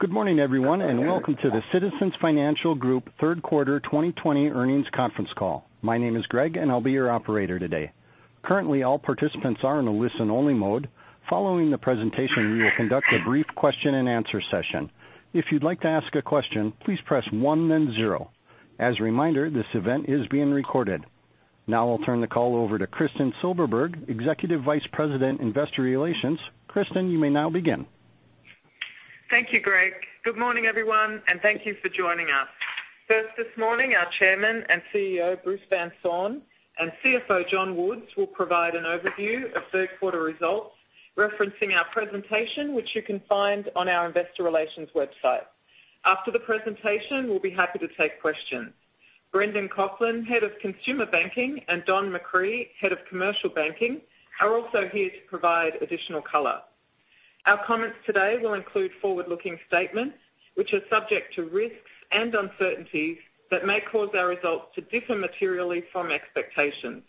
Good morning, everyone, and welcome to the Citizens Financial Group Third Quarter 2020 Earnings Conference Call. My name is Greg, and I'll be your operator today. Currently, all participants are in a listen-only mode. Following the presentation, we will conduct a brief question and answer session. If you'd like to ask a question, please press one, then zero. As a reminder, this event is being recorded. Now I'll turn the call over to Kristin Silberberg, Executive Vice President, Investor Relations. Kristin, you may now begin. Thank you, Greg. Good morning, everyone, and thank you for joining us. First this morning, our Chairman and CEO, Bruce Van Saun, and CFO, John Woods, will provide an overview of third quarter results, referencing our presentation, which you can find on our investor relations website. After the presentation, we'll be happy to take questions. Brendan Coughlin, Head of Consumer Banking, and Don McCree, Head of Commercial Banking, are also here to provide additional color. Our comments today will include forward-looking statements, which are subject to risks and uncertainties that may cause our results to differ materially from expectations.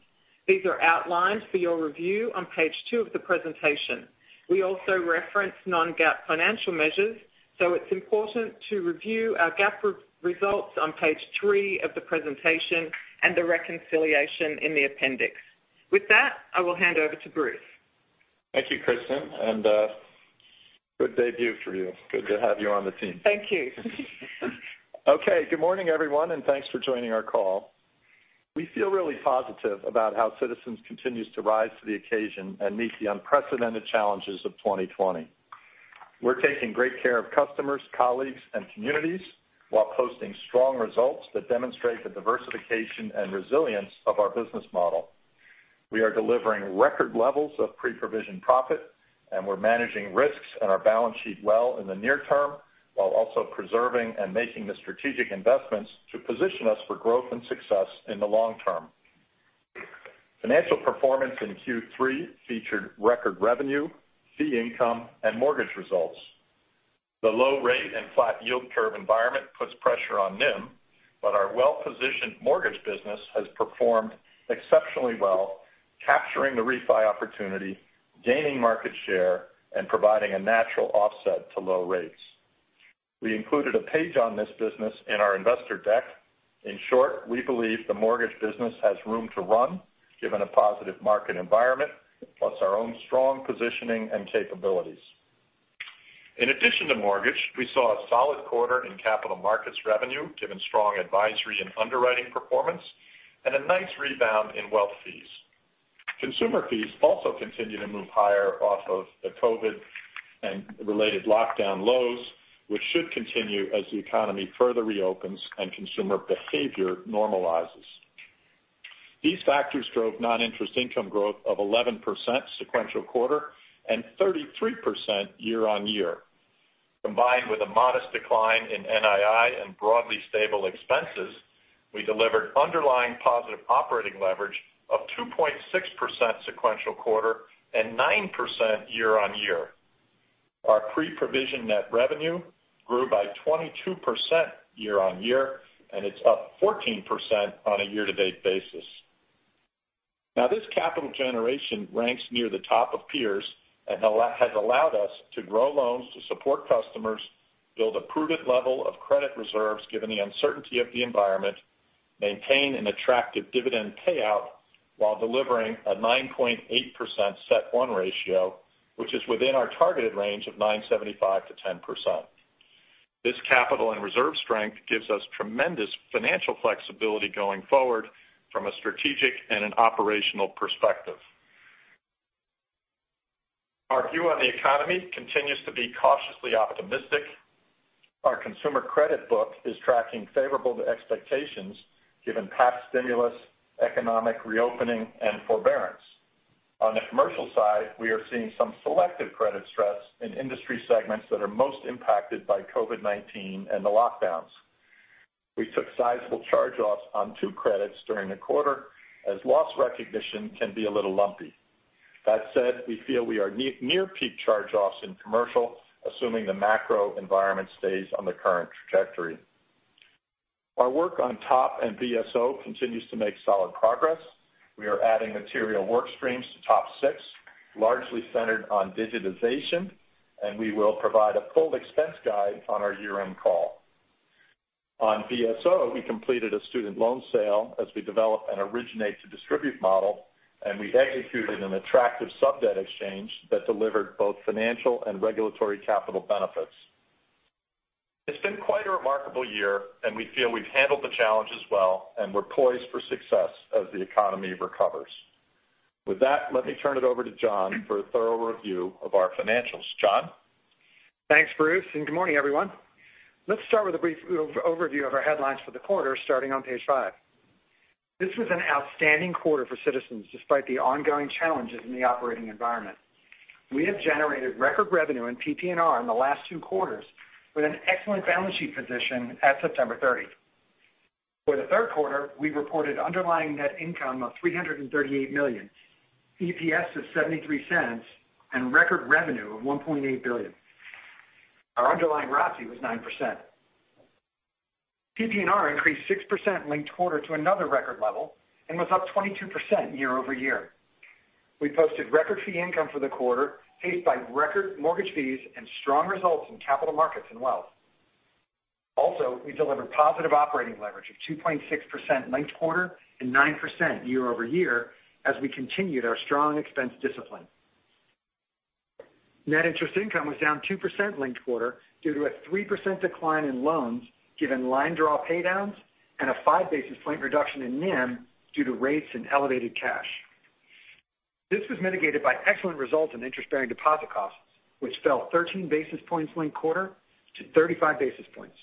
These are outlined for your review on page two of the presentation. We also reference non-GAAP financial measures, so it's important to review our GAAP results on page three of the presentation and the reconciliation in the appendix. With that, I will hand over to Bruce. Thank you, Kristin, and good debut for you. Good to have you on the team. Thank you. Okay. Good morning, everyone, thanks for joining our call. We feel really positive about how Citizens continues to rise to the occasion and meet the unprecedented challenges of 2020. We're taking great care of customers, colleagues, and communities while posting strong results that demonstrate the diversification and resilience of our business model. We are delivering record levels of pre-provision profit, we're managing risks on our balance sheet well in the near term, while also preserving and making the strategic investments to position us for growth and success in the long-term. Financial performance in Q3 featured record revenue, fee income, and mortgage results. The low-rate and flat yield curve environment puts pressure on NIM, our well-positioned mortgage business has performed exceptionally well, capturing the refi opportunity, gaining market share, and providing a natural offset to low-rates. We included a page on this business in our investor deck. In short, we believe the mortgage business has room to run given a positive market environment, plus our own strong positioning and capabilities. In addition to mortgage, we saw a solid quarter in capital markets revenue, given strong advisory and underwriting performance and a nice rebound in wealth fees. Consumer fees also continue to move higher off of the COVID-19 and related lockdown lows, which should continue as the economy further reopens and consumer behavior normalizes. These factors drove non-interest income growth of 11% sequential-quarter and 33% year-on-year. Combined with a modest decline in NII and broadly stable expenses, we delivered underlying positive operating leverage of 2.6% sequential-quarter and 9% year-on-year. Our Pre-Provision Net Revenue grew by 22% year-on-year, and it's up 14% on a year-to-date basis. Now this capital generation ranks near the top of peers and has allowed us to grow loans to support customers, build a prudent level of credit reserves given the uncertainty of the environment, maintain an attractive dividend payout while delivering a 9.8% CET1 ratio, which is within our targeted range of 9.75%-10%. This capital and reserve strength gives us tremendous financial flexibility going forward from a strategic and an operational perspective. Our view on the economy continues to be cautiously optimistic. Our consumer credit book is tracking favorable to expectations given past stimulus, economic reopening, and forbearance. On the commercial side, we are seeing some selective credit stress in industry segments that are most impacted by COVID-19 and the lockdowns. We took sizable charge-offs on two credits during the quarter, as loss recognition can be a little lumpy. That said, we feel we are near peak charge-offs in commercial, assuming the macro environment stays on the current trajectory. Our work on TOP and BSO continues to make solid progress. We are adding material work streams to TOP 6, largely centered on digitization, and we will provide a full expense guide on our year-end call. On BSO, we completed a student loan sale as we develop an originate to distribute model, and we executed an attractive sub-debt exchange that delivered both financial and regulatory capital benefits. It's been quite a remarkable year, and we feel we've handled the challenges well, and we're poised for success as the economy recovers. With that, let me turn it over to John for a thorough review of our financials. John? Thanks, Bruce. Good morning, everyone. Let's start with a brief overview of our headlines for the quarter starting on page five. This was an outstanding quarter for Citizens despite the ongoing challenges in the operating environment. We have generated record revenue and PPNR in the last two quarters with an excellent balance sheet position at September 30. For the third quarter, we reported underlying net income of $338 million, EPS of $0.73, and record revenue of $1.8 billion. Our underlying ROTCE was 9%. PPNR increased 6% linked-quarter to another record level and was up 22% year-over-year. We posted record fee income for the quarter, paced by record mortgage fees and strong results in capital markets and wealth. Also, we delivered positive operating leverage of 2.6% linked-quarter and 9% year-over-year as we continued our strong expense discipline. Net interest income was down 2% linked-quarter due to a 3% decline in loans given line draw pay downs and a 5 basis point reduction in NIM due to rates and elevated cash. This was mitigated by excellent results in interest-bearing deposit costs, which fell 13 basis points linked-quarter to 35 basis points.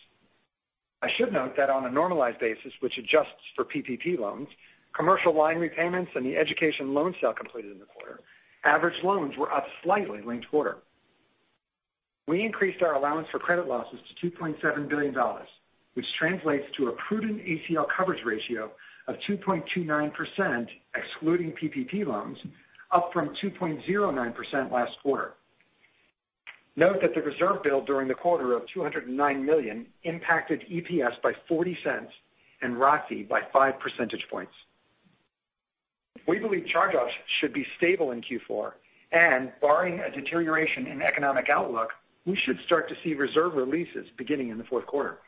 I should note that on a normalized basis, which adjusts for PPP loans, commercial line repayments, and the education loan sale completed in the quarter, average loans were up slightly linked-quarter. We increased our allowance for credit losses to $2.7 billion which translates to a prudent ACL coverage ratio of 2.29%, excluding PPP loans, up from 2.09% last quarter. Note that the reserve build during the quarter of $209 million impacted EPS by $0.40 and ROTCE by 5 percentage points. Barring a deterioration in economic outlook, we should start to see reserve releases beginning in the fourth quarter.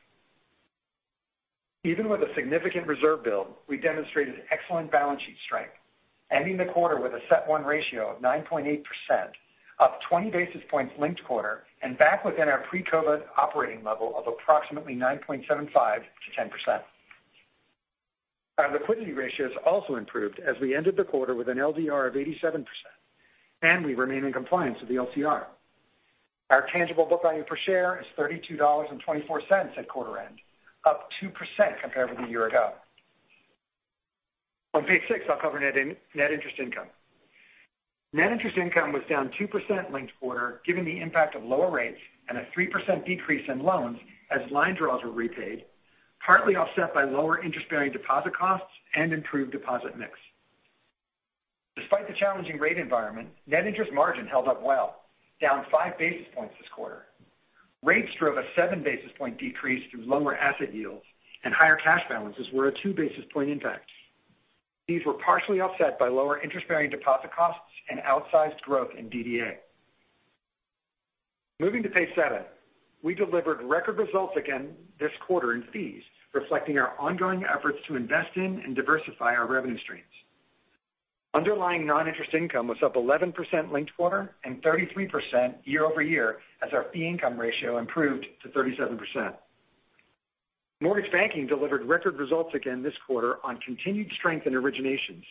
Even with a significant reserve build, we demonstrated excellent balance sheet strength, ending the quarter with a CET1 ratio of 9.8%, up 20 basis points linked quarter and back within our pre-COVID operating level of approximately 9.75%-10%. Our liquidity ratios also improved as we ended the quarter with an LDR of 87%. We remain in compliance with the LCR. Our tangible book value per share is $32.24 at quarter end, up 2% compared with a year ago. On page six, I'll cover net interest income. Net interest income was down 2% linked quarter, given the impact of lower rates and a 3% decrease in loans as line draws were repaid, partly offset by lower interest-bearing deposit costs and improved deposit mix. Despite the challenging rate environment, net interest margin held up well, down five basis points this quarter. Rates drove a seven basis point decrease through lower asset yields and higher cash balances were a two basis point impact. These were partially offset by lower interest-bearing deposit costs and outsized growth in DDA. Moving to page seven. We delivered record results again this quarter in fees, reflecting our ongoing efforts to invest in and diversify our revenue streams. Underlying non-interest income was up 11% linked-quarter and 33% year-over-year as our fee income ratio improved to 37%. Mortgage banking delivered record results again this quarter on continued strength in originations,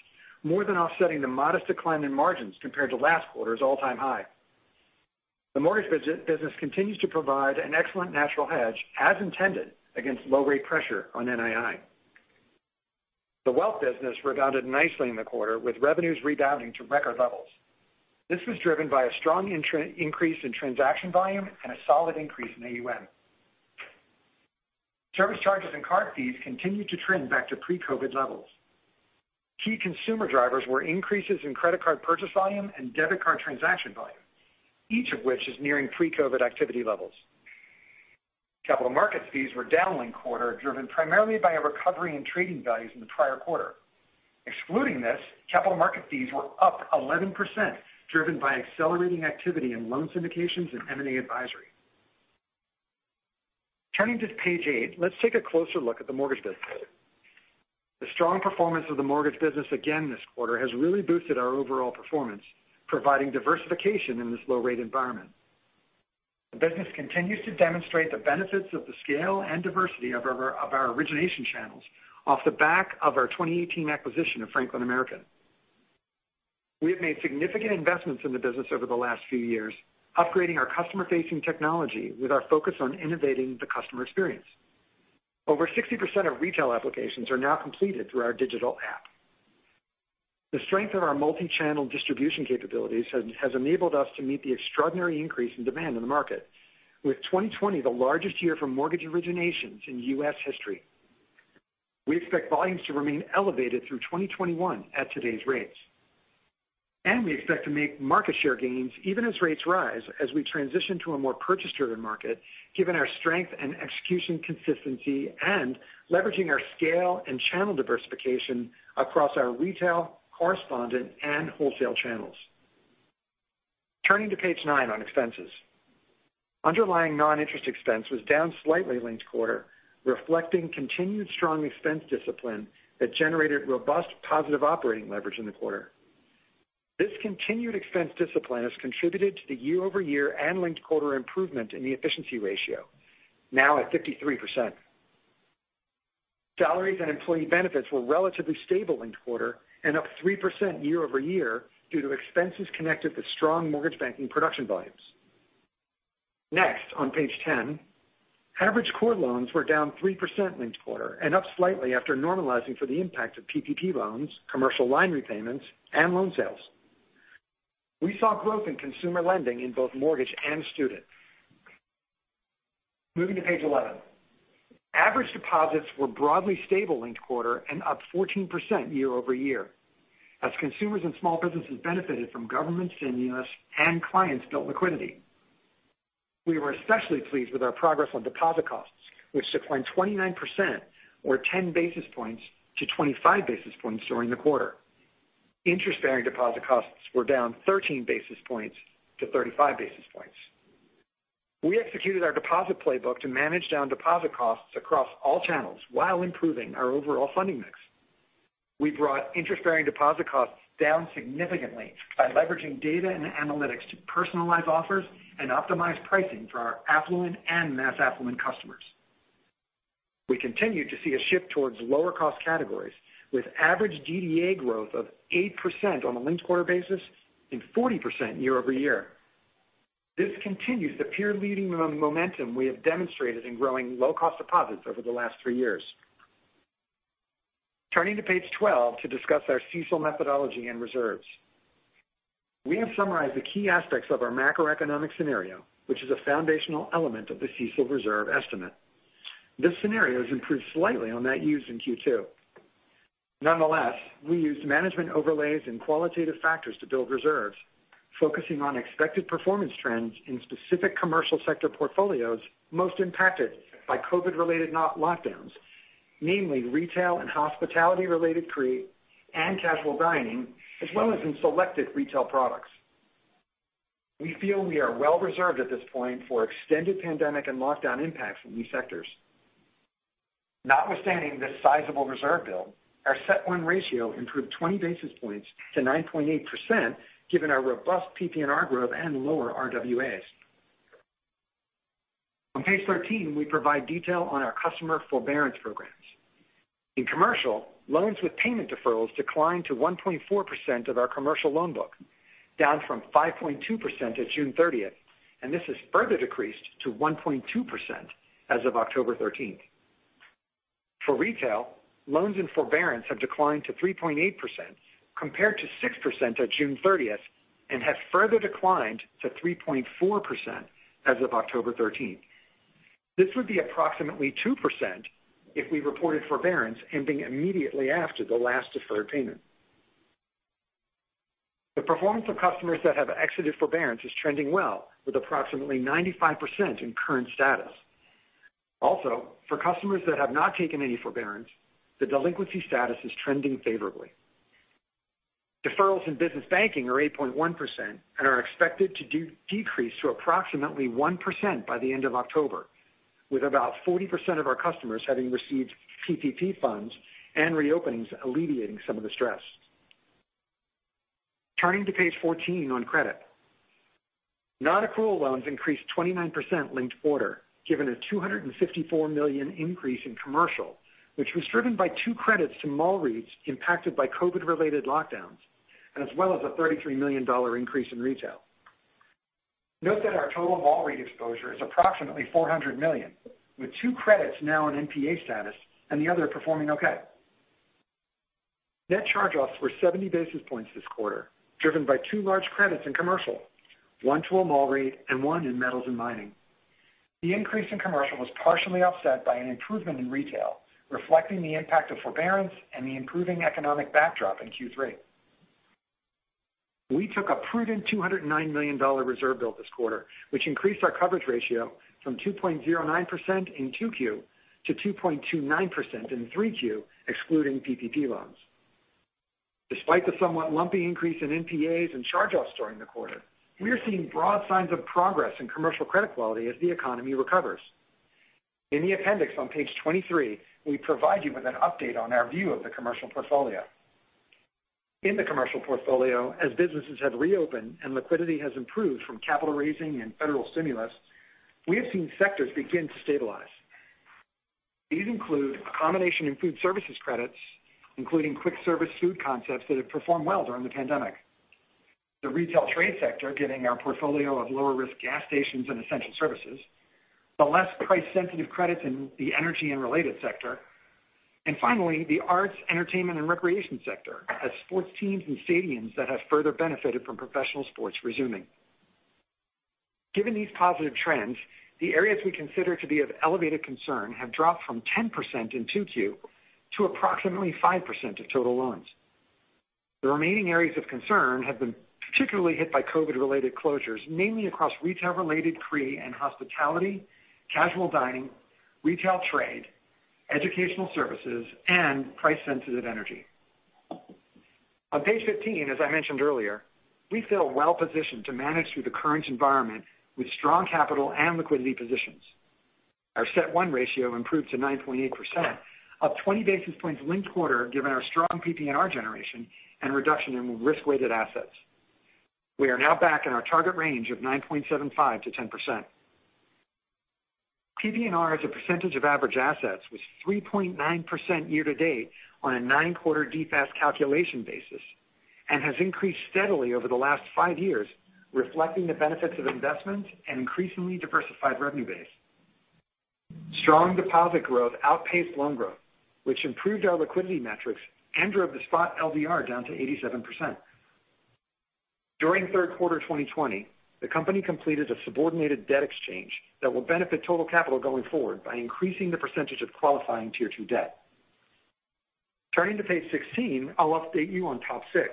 more than offsetting the modest decline in margins compared to last quarter's all-time high. The mortgage business continues to provide an excellent natural hedge as intended against low-rate pressure on NII. The wealth business rebounded nicely in the quarter with revenues rebounding to record levels. This was driven by a strong increase in transaction volume and a solid increase in AUM. Service charges and card fees continued to trend back to pre-COVID levels. Key consumer drivers were increases in credit card purchase volume and debit card transaction volume, each of which is nearing pre-COVID activity levels. Capital markets fees were down linked-quarter, driven primarily by a recovery in trading values in the prior quarter. Excluding this, capital market fees were up 11%, driven by accelerating activity in loan syndications and M&A advisory. Turning to page eight, let's take a closer look at the mortgage business. The strong performance of the mortgage business again this quarter has really boosted our overall performance, providing diversification in this low-rate environment. The business continues to demonstrate the benefits of the scale and diversity of our origination channels off the back of our 2018 acquisition of Franklin American. We have made significant investments in the business over the last few years, upgrading our customer-facing technology with our focus on innovating the customer experience. Over 60% of retail applications are now completed through our digital app. The strength of our multi-channel distribution capabilities has enabled us to meet the extraordinary increase in demand in the market. With 2020 the largest year for mortgage originations in U.S. history. We expect volumes to remain elevated through 2021 at today's rates. We expect to make market share gains even as rates rise as we transition to a more purchase-driven market, given our strength and execution consistency and leveraging our scale and channel diversification across our retail, correspondent, and wholesale channels. Turning to page nine on expenses. Underlying non-interest expense was down slightly linked-quarter, reflecting continued strong expense discipline that generated robust positive operating leverage in the quarter. This continued expense discipline has contributed to the year-over-year and linked-quarter improvement in the efficiency ratio, now at 53%. Salaries and employee benefits were relatively stable linked-quarter and up 3% year-over-year due to expenses connected with strong mortgage banking production volumes. Next, on page 10, average core loans were down 3% linked quarter and up slightly after normalizing for the impact of PPP loans, commercial line repayments, and loan sales. We saw growth in consumer lending in both mortgage and student. Moving to page 11. Average deposits were broadly stable linked quarter and up 14% year-over-year. As consumers and small businesses benefited from government stimulus and clients built liquidity. We were especially pleased with our progress on deposit costs, which declined 29% or 10 basis points to 25 basis points during the quarter. Interest-bearing deposit costs were down 13 basis points to 35 basis points. We executed our deposit playbook to manage down deposit costs across all channels while improving our overall funding mix. We brought interest-bearing deposit costs down significantly by leveraging data and analytics to personalize offers and optimize pricing for our affluent and mass affluent customers. We continue to see a shift towards lower cost categories with average DDA growth of 8% on a linked quarter basis and 40% year-over-year. This continues the peer-leading momentum we have demonstrated in growing low-cost deposits over the last three years. Turning to page 12 to discuss our CECL methodology and reserves. We have summarized the key aspects of our macroeconomic scenario, which is a foundational element of the CECL reserve estimate. This scenario has improved slightly on that used in Q2. Nonetheless, we used management overlays and qualitative factors to build reserves, focusing on expected performance trends in specific commercial sector portfolios most impacted by COVID-related lockdowns, namely retail and hospitality-related CRE, and casual dining, as well as in selected retail products. We feel we are well reserved at this point for extended pandemic and lockdown impacts in these sectors. Notwithstanding this sizable reserve build, our CET1 ratio improved 20 basis points to 9.8% given our robust PPNR growth and lower RWAs. On page 13, we provide detail on our customer forbearance programs. In commercial, loans with payment deferrals declined to 1.4% of our commercial loan book, down from 5.2% at June 30th, and this has further decreased to 1.2% as of October 13th. For retail, loans and forbearance have declined to 3.8%, compared to 6% at June 30th, and have further declined to 3.4% as of October 13th. This would be approximately 2% if we reported forbearance ending immediately after the last deferred payment. The performance of customers that have exited forbearance is trending well, with approximately 95% in current status. For customers that have not taken any forbearance, the delinquency status is trending favorably. Deferrals in business banking are 8.1% and are expected to decrease to approximately 1% by the end of October, with about 40% of our customers having received PPP funds and reopenings alleviating some of the stress. Turning to page 14 on credit. Non-accrual loans increased 29% linked quarter, given a $254 million increase in commercial, which was driven by two credits to mall REITs impacted by COVID-related lockdowns, and as well as a $33 million increase in retail. Note that our total mall REIT exposure is approximately $400 million, with two credits now in NPA status and the other performing okay. Net charge-offs were 70 basis points this quarter, driven by two large credits in commercial, one to a mall REIT and one in metals and mining. The increase in commercial was partially offset by an improvement in retail, reflecting the impact of forbearance and the improving economic backdrop in Q3. We took a prudent $209 million reserve build this quarter, which increased our coverage ratio from 2.09% in 2Q to 2.29% in 3Q, excluding PPP loans. Despite the somewhat lumpy increase in NPAs and charge-offs during the quarter, we are seeing broad signs of progress in commercial credit quality as the economy recovers. In the appendix on page 23, we provide you with an update on our view of the commercial portfolio. In the commercial portfolio, as businesses have reopened and liquidity has improved from capital raising and federal stimulus, we have seen sectors begin to stabilize. These include accommodation in food services credits, including quick service food concepts that have performed well during the pandemic. The retail trade sector giving our portfolio of lower risk gas stations and essential services. The less price sensitive credits in the energy and related sector. Finally, the arts, entertainment, and recreation sector has sports teams and stadiums that have further benefited from professional sports resuming. Given these positive trends, the areas we consider to be of elevated concern have dropped from 10% in 2Q to approximately 5% of total loans. The remaining areas of concern have been particularly hit by COVID-19-related closures, mainly across retail-related CRE and hospitality, casual dining, retail trade, educational services, and price-sensitive energy. On page 15, as I mentioned earlier, we feel well positioned to manage through the current environment with strong capital and liquidity positions. Our CET1 ratio improved to 9.8%, up 20 basis points linked quarter given our strong PPNR generation and reduction in risk-weighted assets. We are now back in our target range of 9.75%-10%. PPNR as a percentage of average assets was 3.9% year to date on a nine-quarter DFAST calculation basis and has increased steadily over the last five years, reflecting the benefits of investment and increasingly diversified revenue base. Strong deposit growth outpaced loan growth, which improved our liquidity metrics and drove the spot LDR down to 87%. During third quarter 2020, the company completed a subordinated debt exchange that will benefit total capital going forward by increasing the percentage of qualifying tier two debt. Turning to page 16, I'll update you on TOP 6.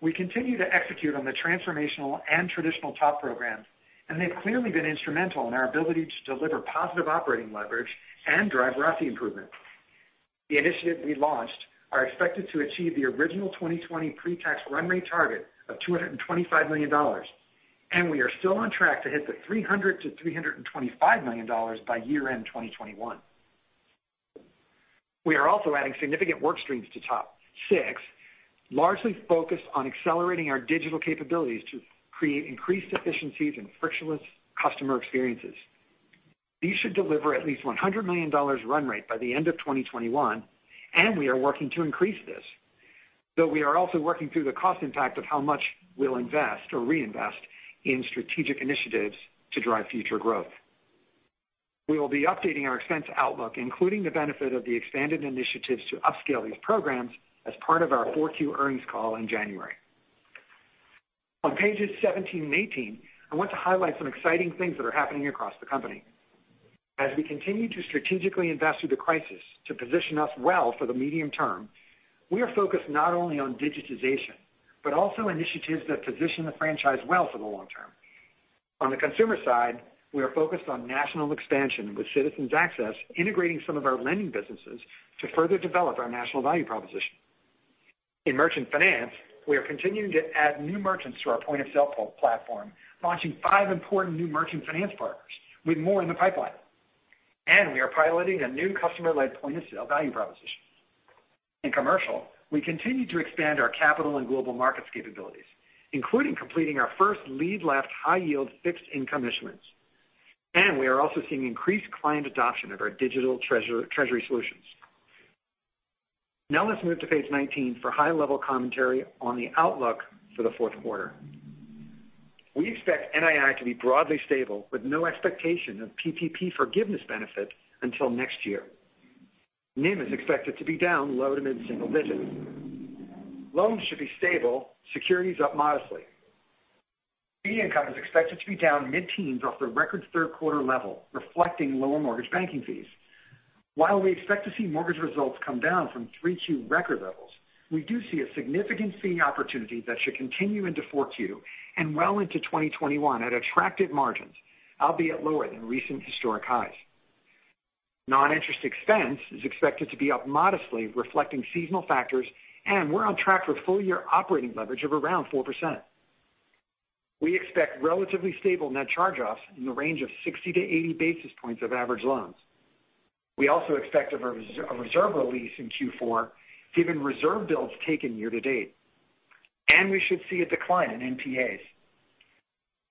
We continue to execute on the transformational and traditional TOP programs, and they've clearly been instrumental in our ability to deliver positive operating leverage and drive ROTCE improvement. The initiatives we launched are expected to achieve the original 2020 pre-tax run rate target of $225 million, and we are still on track to hit the $300 million-$325 million by year-end 2021. We are also adding significant work streams to TOP 6, largely focused on accelerating our digital capabilities to create increased efficiencies and frictionless customer experiences. These should deliver at least $100 million run rate by the end of 2021, and we are working to increase this. We are also working through the cost impact of how much we'll invest or reinvest in strategic initiatives to drive future growth. We will be updating our expense outlook, including the benefit of the expanded initiatives to upscale these programs, as part of our 4Q earnings call in January. On pages 17 and 18, I want to highlight some exciting things that are happening across the company. As we continue to strategically invest through the crisis to position us well for the medium-term, we are focused not only on digitization, but also initiatives that position the franchise well for the long-term. On the consumer side, we are focused on national expansion with Citizens Access, integrating some of our lending businesses to further develop our national value proposition. In merchant finance, we are continuing to add new merchants to our point-of-sale platform, launching five important new merchant finance partners with more in the pipeline. We are piloting a new customer-led point-of-sale value proposition. In commercial, we continue to expand our capital and global markets capabilities, including completing our first lead left high yield fixed income issuance. We are also seeing increased client adoption of our digital treasury solutions. Now let's move to page 19 for high-level commentary on the outlook for the fourth quarter. We expect NII to be broadly stable with no expectation of PPP forgiveness benefit until next year. NIM is expected to be down low to mid-single-digits. Loans should be stable, securities up modestly. Fee income is expected to be down mid-teens off the record third quarter level, reflecting lower mortgage banking fees. While we expect to see mortgage results come down from 3Q record levels, we do see a significant fee opportunity that should continue into 4Q and well into 2021 at attractive margins, albeit lower than recent historic highs. Non-interest expense is expected to be up modestly, reflecting seasonal factors, and we're on track for full-year operating leverage of around 4%. We expect relatively stable net charge-offs in the range of 60-80 basis points of average loans. We also expect a reserve release in Q4 given reserve builds taken year to date. We should see a decline in NPAs.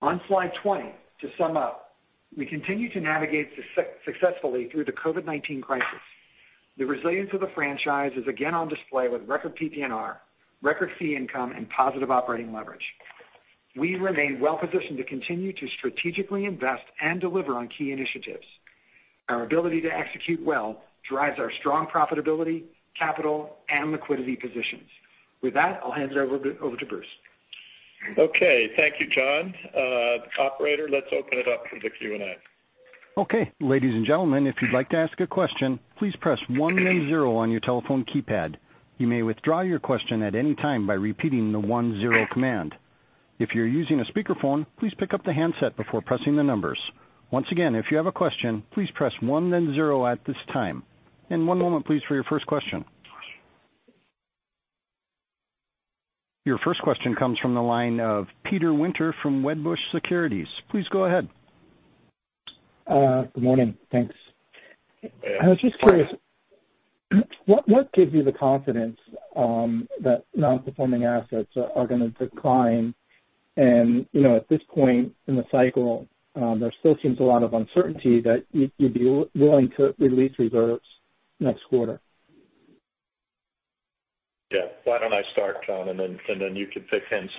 On slide 20, to sum up, we continue to navigate successfully through the COVID-19 crisis. The resilience of the franchise is again on display with record PPNR, record fee income, and positive operating leverage. We remain well-positioned to continue to strategically invest and deliver on key initiatives. Our ability to execute well drives our strong profitability, capital, and liquidity positions. With that, I'll hand it over to Bruce. Okay. Thank you, John. Operator, let's open it up for the Q&A. Okay. Ladies and gentlemen, if you'd like to ask a question, please press one then zero on your telephone keypad. You may withdraw your question at any time by repeating the one zero command. If you're using a speakerphone, please pick up the handset before pressing the numbers. Once again, if you have a question, please press one, then zero at this time. One moment please for your first question. Your first question comes from the line of Peter Winter from Wedbush Securities. Please go ahead. Good morning. Thanks. I was just curious, what gives you the confidence that non-performing assets are going to decline and at this point in the cycle there still seems a lot of uncertainty that you'd be willing to release reserves next quarter? Why don't I start, John, and then you can pitch in.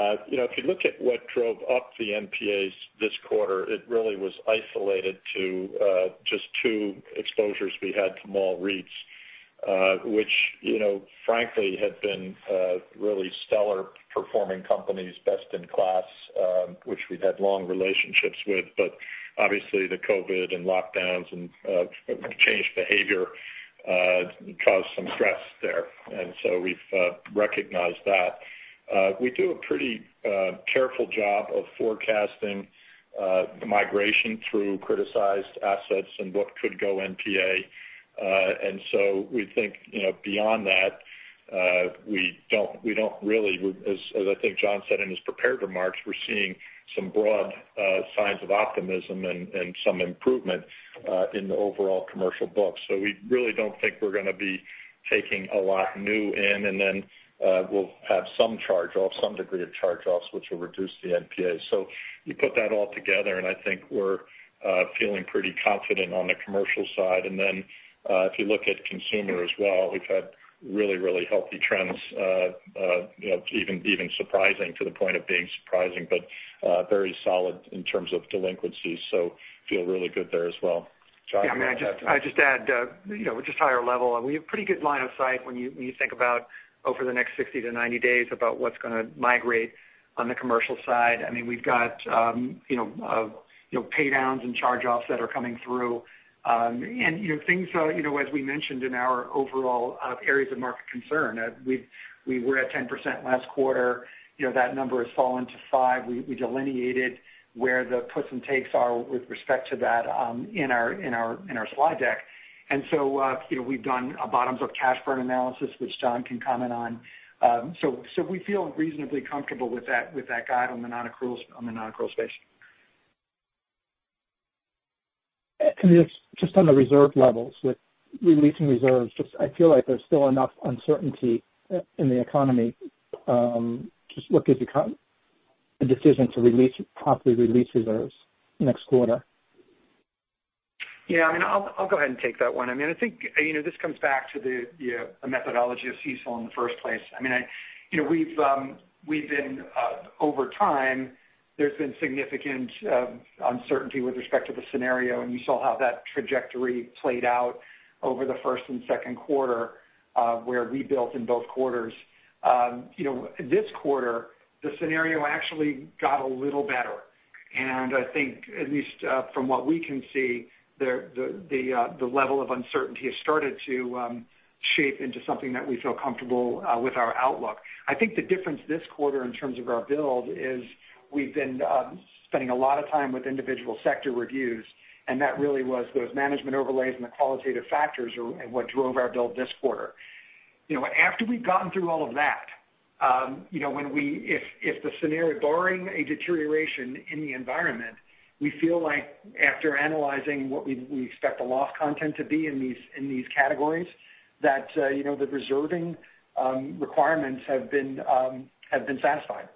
If you look at what drove up the NPAs this quarter, it really was isolated to just two exposures we had to mall REITs which frankly had been really stellar performing companies, best in class, which we'd had long relationships with. Obviously the COVID and lockdowns and changed behavior caused some stress there. We've recognized that. We do a pretty careful job of forecasting migration through criticized assets and what could go NPA. We think beyond that, as I think John said in his prepared remarks, we're seeing some broad signs of optimism and some improvement in the overall commercial books. We really don't think we're going to be taking a lot new in, and then we'll have some charge-offs, some degree of charge-offs, which will reduce the NPAs. You put that all together, and I think we're feeling pretty confident on the commercial side. Then if you look at consumer as well, we've had really, really healthy trends, even surprising to the point of being surprising, but very solid in terms of delinquencies. Feel really good there as well. I'd just add, we're just higher level. We have pretty good line of sight when you think about over the next 60-90 days about what's going to migrate on the commercial side. We've got pay downs and charge-offs that are coming through. Things, as we mentioned in our overall areas of market concern, we were at 10% last quarter. That number has fallen to five. We delineated where the puts and takes are with respect to that in our slide deck. So we've done a bottoms-up cash burn analysis, which Don can comment on. So we feel reasonably comfortable with that guide on the non-accruals space. Just on the reserve levels with releasing reserves, I feel like there's still enough uncertainty in the economy. What gives you a decision to properly release reserves next quarter? Yeah, I'll go ahead and take that one. I think this comes back to the methodology of CECL in the first place. Over time, there's been significant uncertainty with respect to the scenario, and you saw how that trajectory played out over the first and second quarter, where we built in both quarters. This quarter, the scenario actually got a little better, and I think at least from what we can see, the level of uncertainty has started to shape into something that we feel comfortable with our outlook. I think the difference this quarter in terms of our build is we've been spending a lot of time with individual sector reviews, and that really was those management overlays and the qualitative factors are what drove our build this quarter. After we've gotten through all of that, barring a deterioration in the environment, we feel like after analyzing what we expect the loss content to be in these categories that the reserving requirements have been satisfied.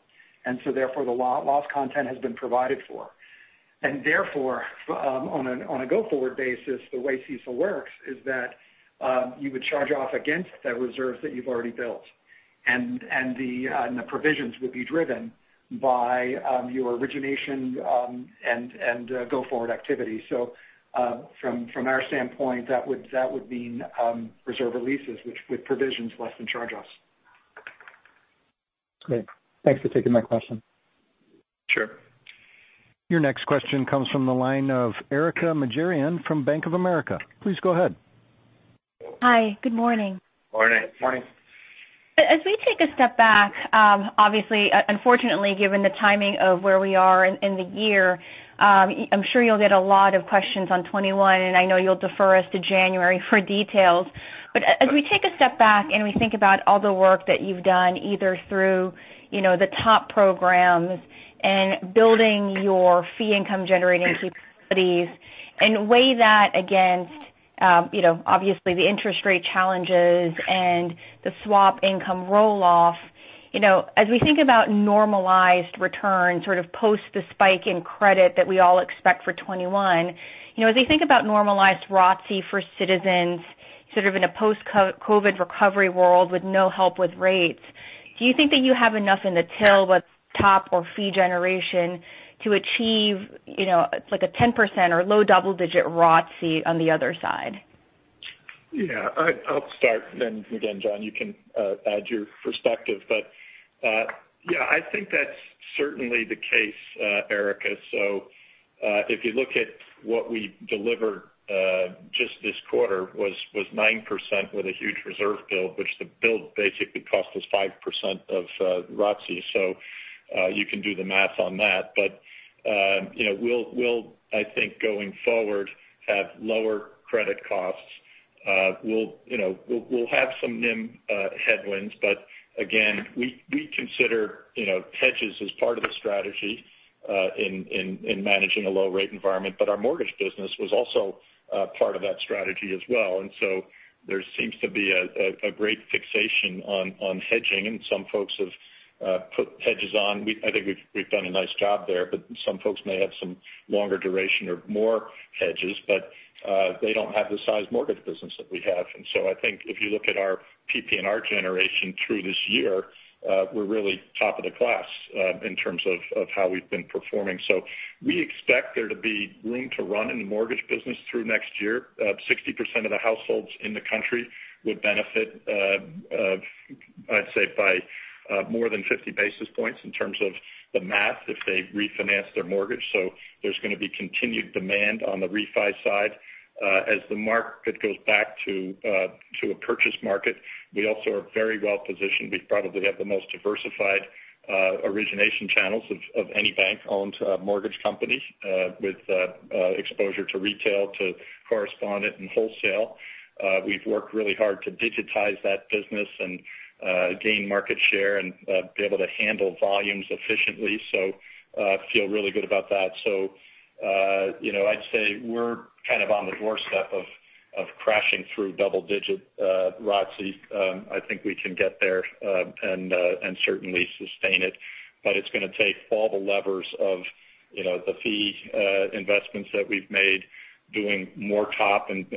Therefore, the loss content has been provided for. Therefore, on a go-forward basis, the way CECL works is that you would charge off against that reserve that you've already built, and the provisions would be driven by your origination and go-forward activity. From our standpoint, that would mean reserve releases with provisions less than charge-offs. Great. Thanks for taking my question. Sure. Your next question comes from the line of Erika Najarian from Bank of America. Please go ahead. Hi. Good morning. Morning. Morning. As we take a step back, obviously, unfortunately, given the timing of where we are in the year, I'm sure you'll get a lot of questions on 2021, and I know you'll defer us to January for details. As we take a step back and we think about all the work that you've done, either through the TOP programs and building your fee income-generating capabilities and weigh that against obviously the interest rate challenges and the swap income roll-off. As we think about normalized returns, sort of post the spike in credit that we all expect for 2021. As we think about normalized ROTCE for Citizens, sort of in a post-COVID-19 recovery world with no help with rates, do you think that you have enough in the till with TOP or fee generation to achieve, like a 10% or low double-digit ROTCE on the other side? Yeah. I'll start then again, John, you can add your perspective. Yeah, I think that's certainly the case, Erika. If you look at what we delivered just this quarter was 9% with a huge reserve build, which the build basically cost us 5% of ROTCE. You can do the math on that. We'll, I think, going forward, have lower credit costs. We'll have some NIM headwinds, but again, we consider hedges as part of the strategy in managing a low-rate environment. Our mortgage business was also part of that strategy as well. There seems to be a great fixation on hedging, and some folks have put hedges on. I think we've done a nice job there, but some folks may have some longer duration or more hedges, but they don't have the size mortgage business that we have. I think if you look at our PPNR generation through this year, we're really top of the class in terms of how we've been performing. We expect there to be room to run in the mortgage business through next year. 60% of the households in the country would benefit, I'd say by more than 50 basis points in terms of the math, if they refinance their mortgage. There's going to be continued demand on the refi side. As the market goes back to a purchase market, we also are very well-positioned. We probably have the most diversified origination channels of any bank-owned mortgage company with exposure to retail, to correspondent, and wholesale. We've worked really hard to digitize that business and gain market share and be able to handle volumes efficiently. Feel really good about that. I'd say we're kind of on the doorstep of crashing through double-digit ROTCE. I think we can get there and certainly sustain it. It's going to take all the levers of the fee investments that we've made, doing more TOP and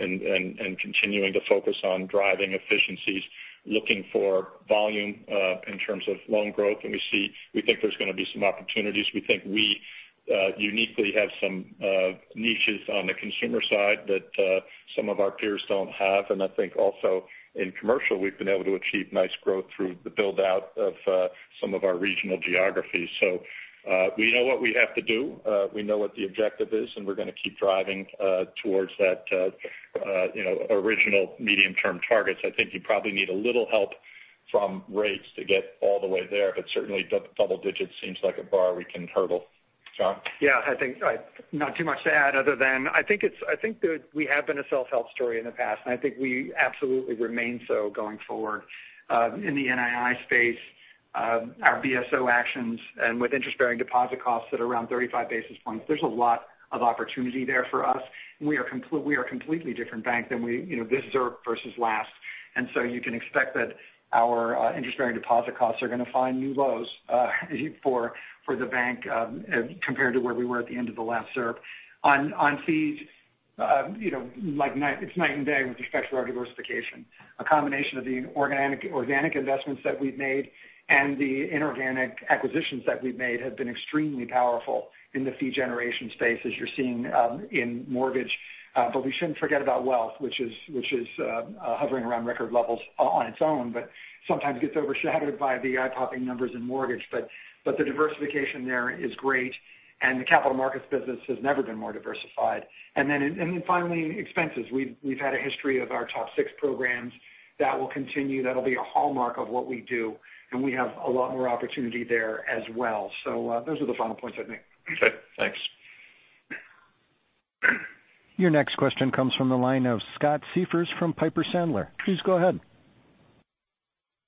continuing to focus on driving efficiencies, looking for volume in terms of loan growth. We think there's going to be some opportunities. We think Uniquely have some niches on the consumer side that some of our peers don't have. I think also in commercial, we've been able to achieve nice growth through the build-out of some of our regional geographies. We know what we have to do, we know what the objective is, and we're going to keep driving towards that original medium-term targets. I think you probably need a little help from rates to get all the way there, certainly double digits seems like a bar we can hurdle. John? Yeah. I think not too much to add other than I think that we have been a self-help story in the past. I think we absolutely remain so going forward. In the NII space, our BSO actions and with interest-bearing deposit costs at around 35 basis points, there's a lot of opportunity there for us, and we are a completely different bank than this ZIRP versus last. You can expect that our interest-bearing deposit costs are going to find new lows for the bank compared to where we were at the end of the last ZIRP. On fees, it's night and day with respect to our diversification. A combination of the organic investments that we've made and the inorganic acquisitions that we've made have been extremely powerful in the fee generation space as you're seeing in mortgage. We shouldn't forget about wealth, which is hovering around record levels on its own but sometimes gets overshadowed by the eye-popping numbers in mortgage. The diversification there is great, and the capital markets business has never been more diversified. Finally, expenses. We've had a history of our TOP 6 programs that will continue. That'll be a hallmark of what we do, and we have a lot more opportunity there as well. Those are the final points I'd make. Okay, thanks. Your next question comes from the line of Scott Siefers from Piper Sandler. Please go ahead.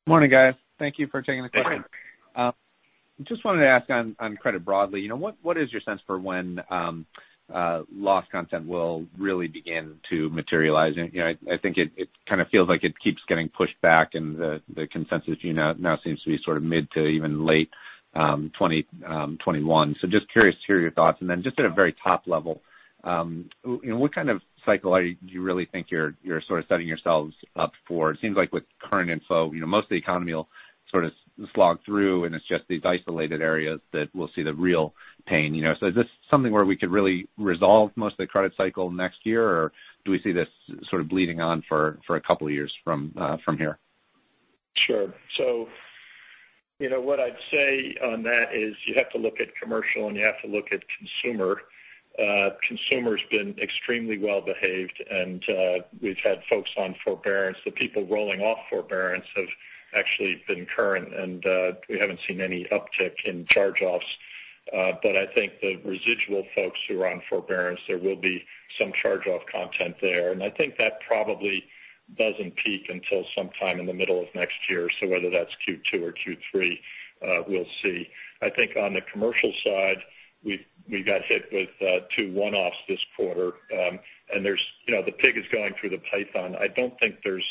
Morning, guys. Thank you for taking the call. Hey. Just wanted to ask on credit broadly. What is your sense for when loss content will really begin to materialize? I think it kind of feels like it keeps getting pushed back, and the consensus now seems to be sort of mid to even late 2021. Just curious to hear your thoughts. Just at a very top level, what kind of cycle are you really think you're sort of setting yourselves up for? It seems like with current info, most of the economy will sort of slog through, and it's just these isolated areas that will see the real pain. Is this something where we could really resolve most of the credit cycle next year, or do we see this sort of bleeding on for a couple of years from here? Sure. What I'd say on that is you have to look at commercial, and you have to look at consumer. Consumer's been extremely well-behaved, and we've had folks on forbearance. The people rolling off forbearance have actually been current, and we haven't seen any uptick in charge-offs. I think the residual folks who are on forbearance, there will be some charge-off content there. I think that probably doesn't peak until sometime in the middle of next year. Whether that's Q2 or Q3, we'll see. I think on the commercial side, we got hit with two one-offs this quarter. The pig is going through the python. I don't think there's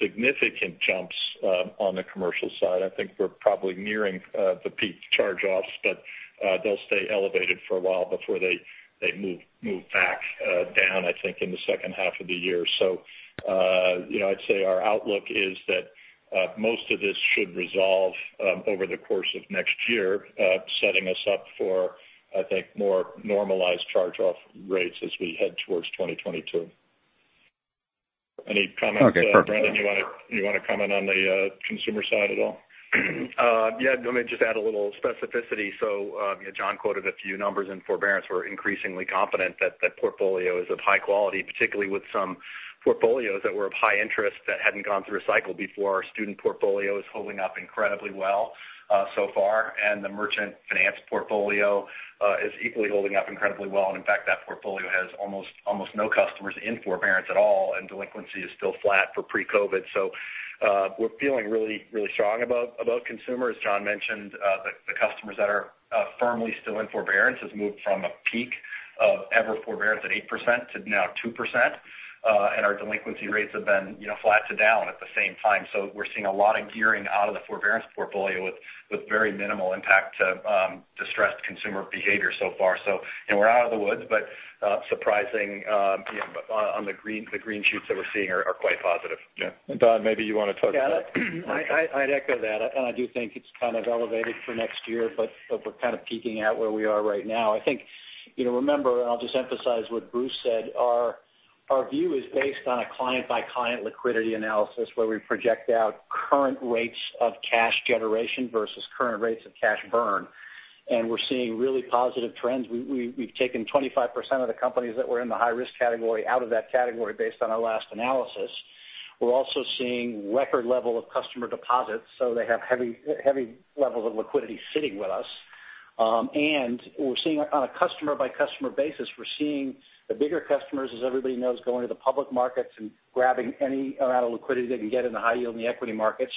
significant jumps on the commercial side. I think we're probably nearing the peak charge-offs, but they'll stay elevated for a while before they move back down, I think, in the second half of the year. I'd say our outlook is that most of this should resolve over the course of next year, setting us up for, I think, more normalized charge-off rates as we head towards 2022. Any comments Okay, perfect. --Brendan, you want to comment on the consumer side at all? Yeah. Let me just add a little specificity. John quoted a few numbers in forbearance. We're increasingly confident that that portfolio is of high quality, particularly with some portfolios that were of high interest that hadn't gone through a cycle before. Our student portfolio is holding up incredibly well so far, and the merchant finance portfolio is equally holding up incredibly well. In fact, that portfolio has almost no customers in forbearance at all, and delinquency is still flat for pre-COVID. We're feeling really strong about consumers. John mentioned the customers that are firmly still in forbearance has moved from a peak of overall forbearance at 8% to now 2%. Our delinquency rates have been flat to down at the same time. We're seeing a lot of curing out of the forbearance portfolio with very minimal impact to distressed consumer behavior so far. We're out of the woods, but surprising on the green shoots that we're seeing are quite positive. Yeah. Don, maybe you want to touch on that. Yeah. I'd echo that. I do think it's kind of elevated for next year, but we're kind of peaking out where we are right now. I think remember, and I'll just emphasize what Bruce said, our view is based on a client-by-client liquidity analysis where we project out current rates of cash generation versus current rates of cash burn. We're seeing really positive trends. We've taken 25% of the companies that were in the high-risk category out of that category based on our last analysis. We're also seeing record level of customer deposits, so they have heavy levels of liquidity sitting with us. We're seeing on a customer-by-customer basis, we're seeing the bigger customers, as everybody knows, going to the public markets and grabbing any amount of liquidity they can get in the high-yield in the equity markets.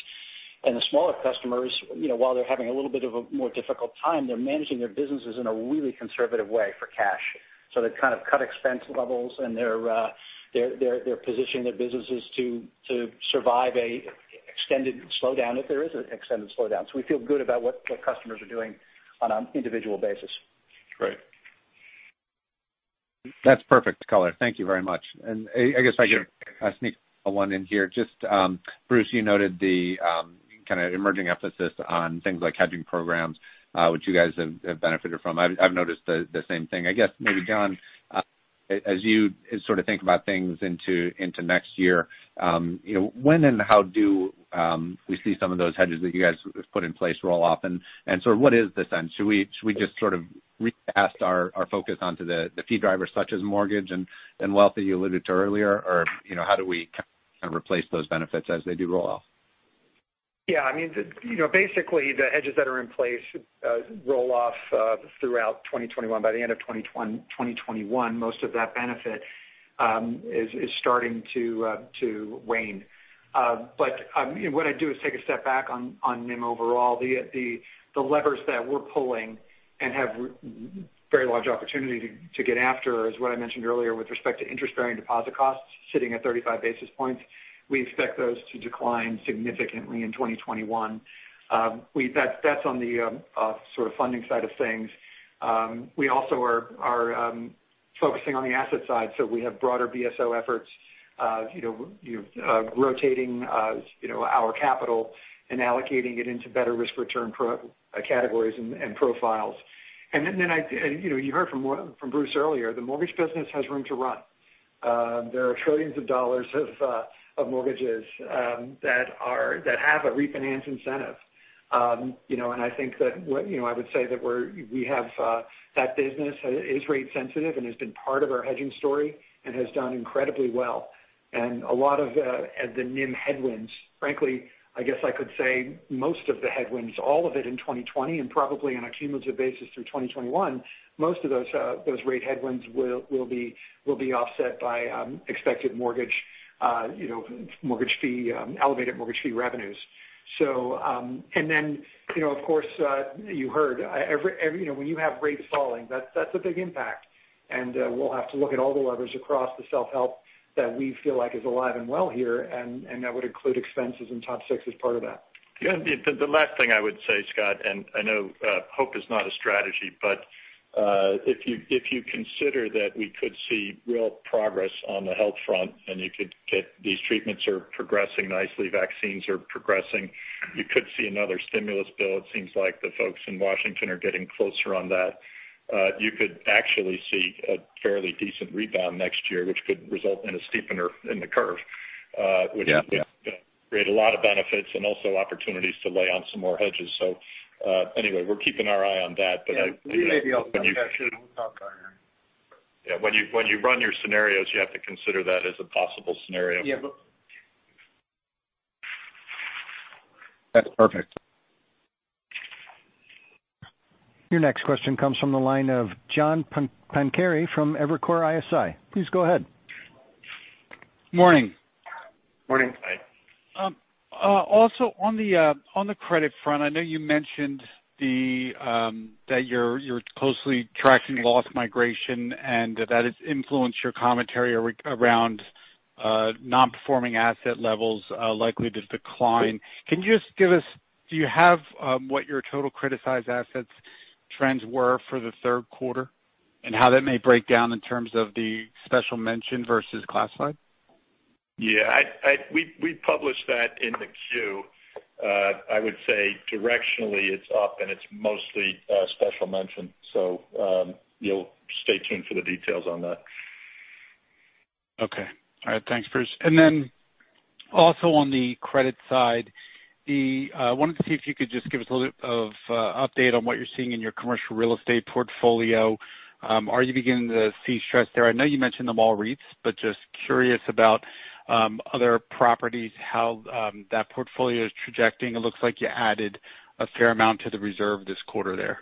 The smaller customers, while they're having a little bit of a more difficult time, they're managing their businesses in a really conservative way for cash. They've kind of cut expense levels, and they're positioning their businesses to survive an extended slowdown if there is an extended slowdown. We feel good about what customers are doing on an individual basis. Great. That's perfect color. Thank you very much. I guess I could sneak one in here. Bruce, you noted the kind of emerging emphasis on things like hedging programs, which you guys have benefited from. I've noticed the same thing. I guess maybe, John, as you sort of think about things into next year, when and how do we see some of those hedges that you guys have put in place roll off and sort of what is the sense? Should we just sort of recast our focus onto the fee drivers such as mortgage and wealth that you alluded to earlier? Or how do we kind of replace those benefits as they do roll off? Basically, the hedges that are in place roll off throughout 2021. By the end of 2021, most of that benefit is starting to wane. What I do is take a step back on NIM overall. The levers that we're pulling and have very large opportunity to get after is what I mentioned earlier with respect to interest-bearing deposit costs sitting at 35 basis points. We expect those to decline significantly in 2021. That's on the sort of funding side of things. We also are focusing on the asset side. We have broader BSO efforts rotating our capital and allocating it into better risk return categories and profiles. You heard from Bruce earlier, the mortgage business has room to run. There are trillions of dollars of mortgages that have a refinance incentive. I think that I would say that that business is rate sensitive and has been part of our hedging story and has done incredibly well. A lot of the NIM headwinds, frankly, I guess I could say most of the headwinds, all of it in 2020 and probably on a cumulative basis through 2021, most of those rate headwinds will be offset by expected elevated mortgage fee revenues. Then, of course, you heard, when you have rates falling, that's a big impact, and we'll have to look at all the levers across the self-help that we feel like is alive and well here, and that would include expenses and TOP 6 as part of that. The last thing I would say, Scott, and I know hope is not a strategy, but if you consider that we could see real progress on the health front and you could get these treatments are progressing nicely, vaccines are progressing. You could see another stimulus bill. It seems like the folks in Washington are getting closer on that. You could actually see a fairly decent rebound next year, which could result in a steepener in the curve Yeah. --which would create a lot of benefits and also opportunities to lay on some more hedges. Anyway, we're keeping our eye on that. We may be able to touch on that too. We'll talk about it. Yeah. When you run your scenarios, you have to consider that as a possible scenario. Yeah. That's perfect. Your next question comes from the line of John Pancari from Evercore ISI. Please go ahead. Morning. Morning. On the credit front, I know you mentioned that you're closely tracking loss migration and that it's influenced your commentary around non-performing asset levels likely to decline. Can you just give us, do you have what your total criticized assets trends were for the third quarter and how that may break down in terms of the special mention versus classified? Yeah. We published that in the Q. I would say directionally it's up and it's mostly special mention. You'll stay tuned for the details on that. Okay. All right. Thanks, Bruce. Also on the credit side, I wanted to see if you could just give us a little bit of update on what you're seeing in your commercial real estate portfolio. Are you beginning to see stress there? I know you mentioned the mall REITs, just curious about other properties, how that portfolio is trajecting. It looks like you added a fair amount to the reserve this quarter there.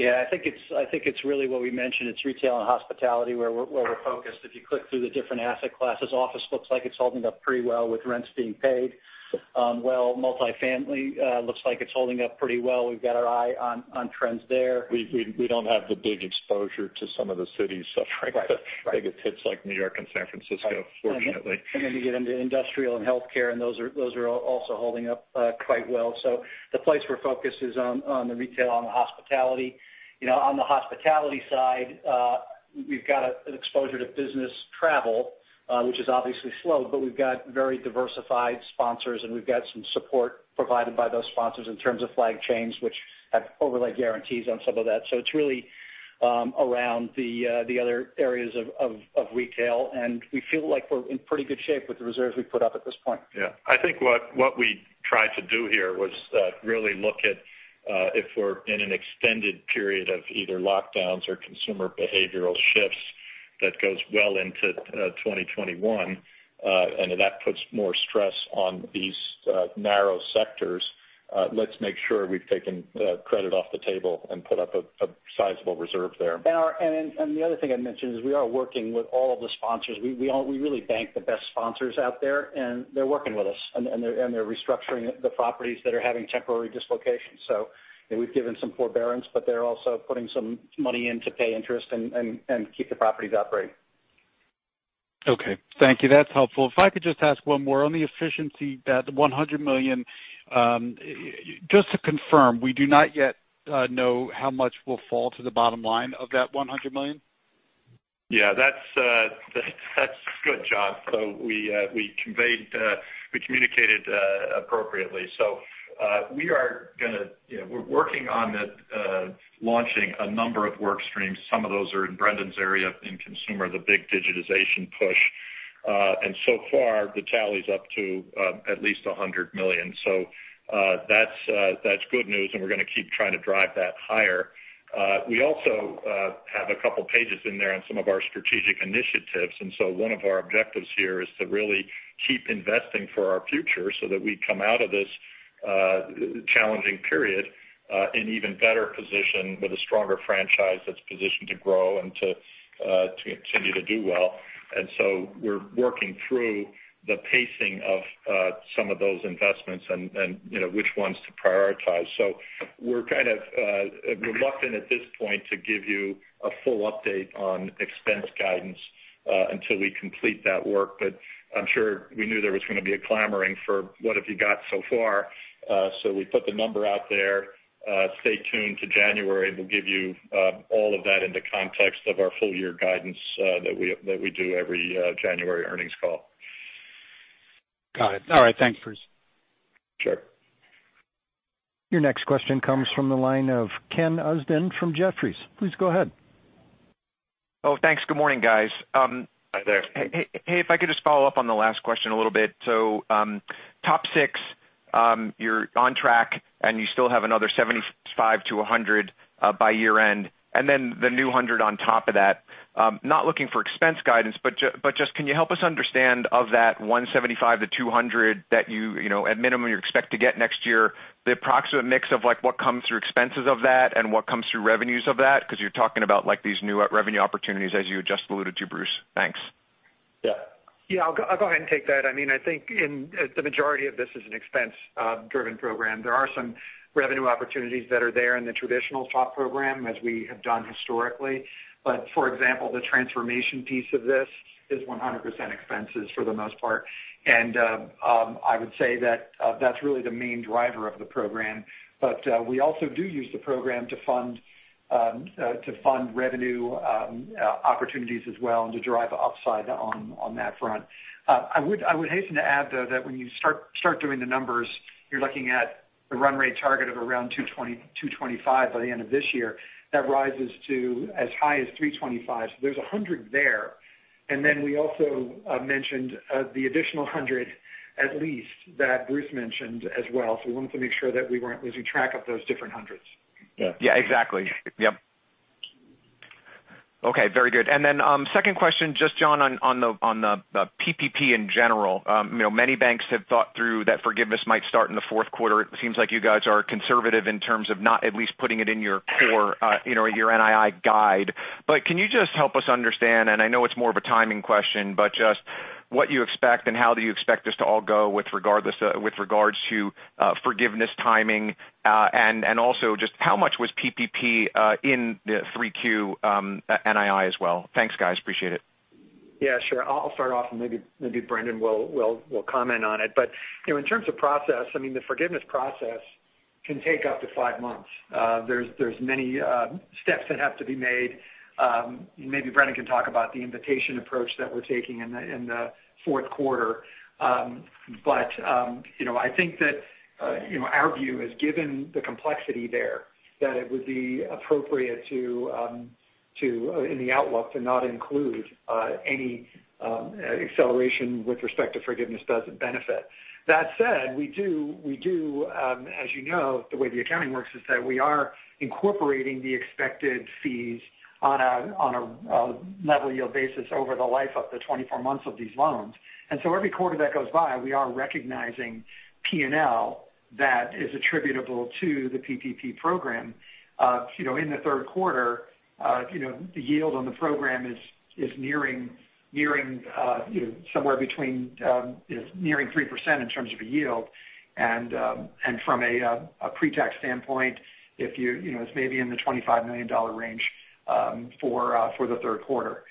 I think it's really what we mentioned. It's retail and hospitality where we're focused. If you click through the different asset classes, office looks like it's holding up pretty well with rents being paid. Well, multifamily looks like it's holding up pretty well. We've got our eye on trends there. We don't have the big exposure to some of the cities suffering Right. --the biggest hits like New York and San Francisco, fortunately. Then you get into industrial and healthcare, and those are also holding up quite well. The place we're focused is on the retail, on the hospitality. On the hospitality side, we've got an exposure to business travel which has obviously slowed, but we've got very diversified sponsors, and we've got some support provided by those sponsors in terms of flag chains which have overlay guarantees on some of that. It's really around the other areas of retail, and we feel like we're in pretty good shape with the reserves we've put up at this point. Yeah. I think what we tried to do here was really look at if we're in an extended period of either lockdowns or consumer behavioral shifts that goes well into 2021 and that puts more stress on these narrow sectors. Let's make sure we've taken credit off the table and put up a sizable reserve there. The other thing I'd mention is we are working with all of the sponsors. We really bank the best sponsors out there, and they're working with us, and they're restructuring the properties that are having temporary dislocations. We've given some forbearance, but they're also putting some money in to pay interest and keep the properties operating. Okay. Thank you. That's helpful. If I could just ask one more on the efficiency, that $100 million. Just to confirm, we do not yet know how much will fall to the bottom line of that $100 million? That's good, John. We communicated appropriately. We're working on launching a number of work streams. Some of those are in Brendan's area in consumer, the big digitization push. So far, the tally's up to at least $100 million. That's good news, and we're going to keep trying to drive that higher. We also have a couple pages in there on some of our strategic initiatives. One of our objectives here is to really keep investing for our future so that we come out of this challenging period in even better position with a stronger franchise that's positioned to grow and to continue to do well. We're working through the pacing of some of those investments and which ones to prioritize. We're kind of reluctant at this point to give you a full update on expense guidance until we complete that work. I'm sure we knew there was going to be a clamoring for what have you got so far? We put the number out there. Stay tuned to January. We'll give you all of that in the context of our full year guidance that we do every January earnings call. Got it. All right. Thanks, Bruce. Sure. Your next question comes from the line of Ken Usdin from Jefferies. Please go ahead. Oh, thanks. Good morning, guys. Hi there. Hey, if I could just follow up on the last question a little bit. TOP 6, you're on track, and you still have another $75 million-$100 million by year end, and then the new $100 million on top of that. Not looking for expense guidance, but just can you help us understand of that $175 million-$200 million that you at minimum you expect to get next year, the approximate mix of what comes through expenses of that and what comes through revenues of that? Because you're talking about these new revenue opportunities as you just alluded to, Bruce. Thanks. Yeah. Yeah. I'll go ahead and take that. I think the majority of this is an expense-driven program. There are some revenue opportunities that are there in the traditional TOP program as we have done historically. For example, the transformation piece of this is 100% expenses for the most part. I would say that that's really the main driver of the program. We also do use the program to fund revenue opportunities as well and to drive upside on that front. I would hasten to add, though, that when you start doing the numbers, you're looking at a run rate target of around $225 million by the end of this year. That rises to as high as $325 million. There's $100 million there. We also mentioned the additional $100 million at least that Bruce mentioned as well. We wanted to make sure that we weren't losing track of those different hundreds. Yeah. Yeah, exactly. Yep. Okay. Very good. Second question, just John on the PPP in general. Many banks have thought through that forgiveness might start in the fourth quarter. It seems like you guys are conservative in terms of not at least putting it in your core, your NII guide. Can you just help us understand, and I know it's more of a timing question, but just what you expect and how do you expect this to all go with regards to forgiveness timing. Just how much was PPP in 3Q NII as well? Thanks, guys. Appreciate it. Sure. I'll start off, and maybe Brendan will comment on it. In terms of process, the forgiveness process can take up to five months. There's many steps that have to be made. Maybe Brendan can talk about the invitation approach that we're taking in the fourth quarter. I think that our view is given the complexity there, that it would be appropriate in the outlook to not include any acceleration with respect to forgiveness benefit. That said, we do, as you know, the way the accounting works is that we are incorporating the expected fees on a level yield basis over the life of the 24 months of these loans. Every quarter that goes by, we are recognizing P&L that is attributable to the PPP program. In the third quarter, the yield on the program is nearing 3% in terms of a yield. From a pre-tax standpoint, it's maybe in the $25 million range for the third quarter.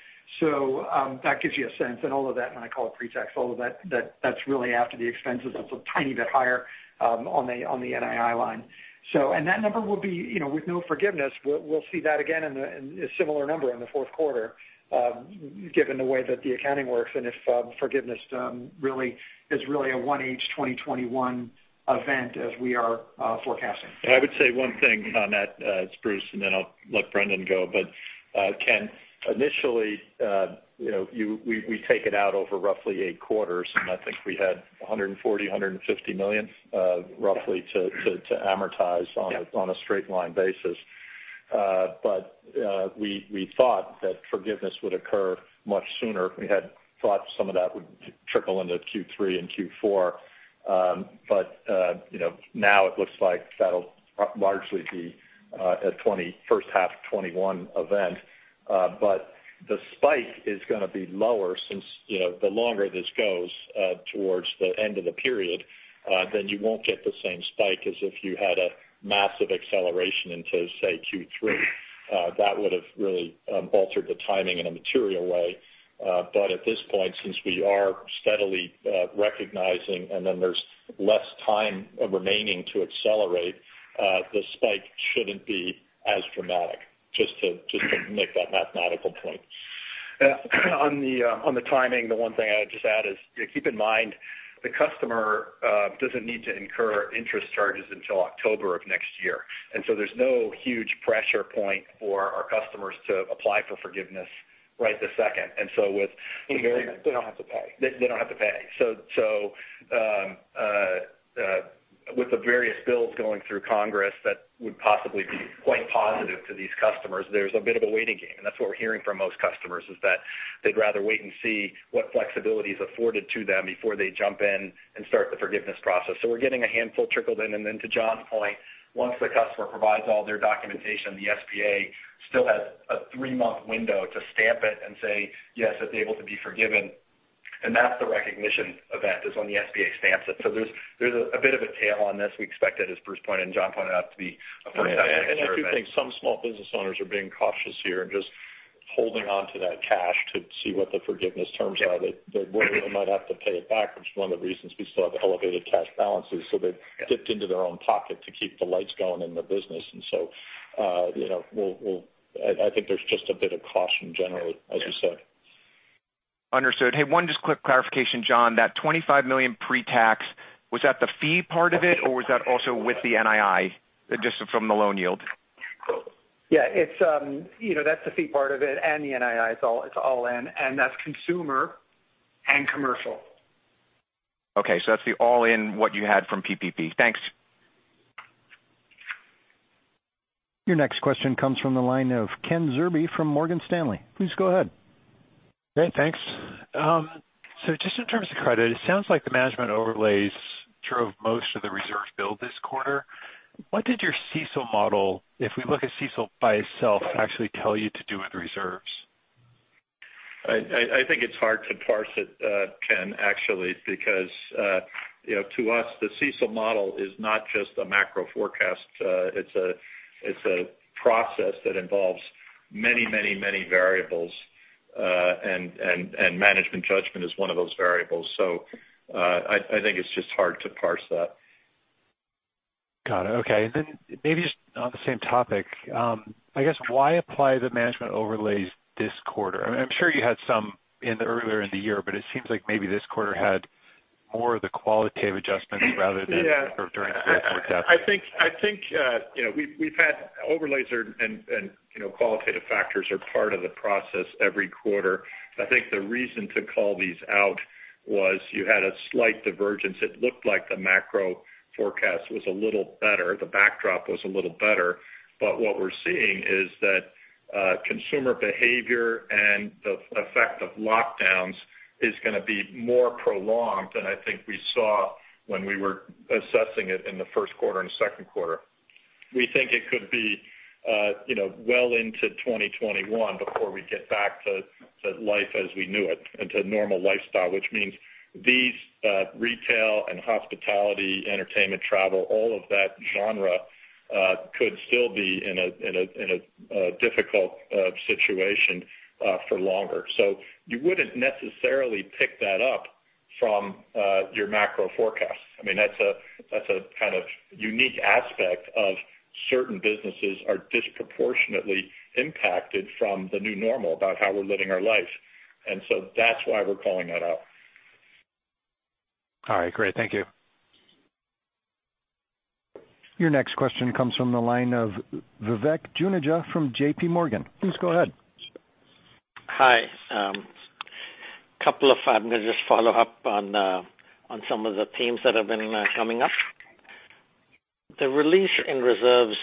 That gives you a sense. All of that, and I call it pre-tax, all of that's really after the expenses. It's a tiny bit higher on the NII line. That number will be with no forgiveness, we'll see that again in a similar number in the fourth quarter given the way that the accounting works and if forgiveness is really a 1H 2021 event as we are forecasting. I would say one thing on that. It's Bruce, and then I'll let Brendan go. Ken, initially we take it out over roughly eight quarters, and I think we had $140 million, $150 million roughly to amortize on a straight line basis. We thought that forgiveness would occur much sooner. We had thought some of that would trickle into Q3 and Q4. Now it looks like that'll largely be a first half 2021 event. The spike is going to be lower since the longer this goes towards the end of the period, then you won't get the same spike as if you had a massive acceleration into, say, Q3. That would have really altered the timing in a material way. At this point, since we are steadily recognizing and then there's less time remaining to accelerate, the spike shouldn't be as dramatic. Just to make that mathematical point. On the timing, the one thing I would just add is, keep in mind, the customer doesn't need to incur interest charges until October of next year. There's no huge pressure point for our customers to apply for forgiveness right this second. They don't have to pay. They don't have to pay. With the various bills going through Congress that would possibly be quite positive to these customers, there's a bit of a waiting game. That's what we're hearing from most customers, is that they'd rather wait and see what flexibility is afforded to them before they jump in and start the forgiveness process. We're getting a handful trickled in. Then to John's point, once the customer provides all their documentation, the SBA still has a three-month window to stamp it and say, "Yes, it's able to be forgiven." That's the recognition event, is when the SBA stamps it. There's a bit of a tail on this. We expect it, as Bruce pointed and John pointed out, to be a first half event. I do think some small business owners are being cautious here and just holding onto that cash to see what the forgiveness terms are. They might have to pay it back, which is one of the reasons we still have elevated cash balances. They've dipped into their own pocket to keep the lights going in their business. I think there's just a bit of caution generally, as you said. Understood. Hey, one just quick clarification, John. That $25 million pre-tax, was that the fee part of it, or was that also with the NII, just from the loan yield? Yeah. That's the fee part of it and the NII. It's all in. That's consumer and commercial. Okay. That's the all-in what you had from PPP. Thanks. Your next question comes from the line of Ken Zerbe from Morgan Stanley. Please go ahead. Great, thanks. Just in terms of credit, it sounds like the management overlays drove most of the reserve build this quarter. What did your CECL model, if we look at CECL by itself, actually tell you to do with reserves? I think it's hard to parse it, Ken, actually, because to us, the CECL model is not just a macro forecast. It's a process that involves many variables. Management judgment is one of those variables. I think it's just hard to parse that. Got it. Okay. Maybe just on the same topic. I guess why apply the management overlays this quarter? I'm sure you had some earlier in the year, but it seems like maybe this quarter had more of the qualitative adjustments rather than during the macro forecast. I think we've had overlays and qualitative factors are part of the process every quarter. I think the reason to call these out was you had a slight divergence. It looked like the macro forecast was a little better, the backdrop was a little better. What we're seeing is that consumer behavior and the effect of lockdowns is going to be more prolonged than I think we saw when we were assessing it in the first quarter and second quarter. We think it could be well into 2021 before we get back to life as we knew it, and to normal lifestyle. These retail and hospitality, entertainment, travel, all of that genre could still be in a difficult situation for longer. You wouldn't necessarily pick that up from your macro forecast. That's a kind of unique aspect of certain businesses are disproportionately impacted from the new normal about how we're living our life. That's why we're calling that out. All right, great. Thank you. Your next question comes from the line of Vivek Juneja from JPMorgan. Please go ahead. Hi. I'm going to just follow up on some of the themes that have been coming up. The release in reserves,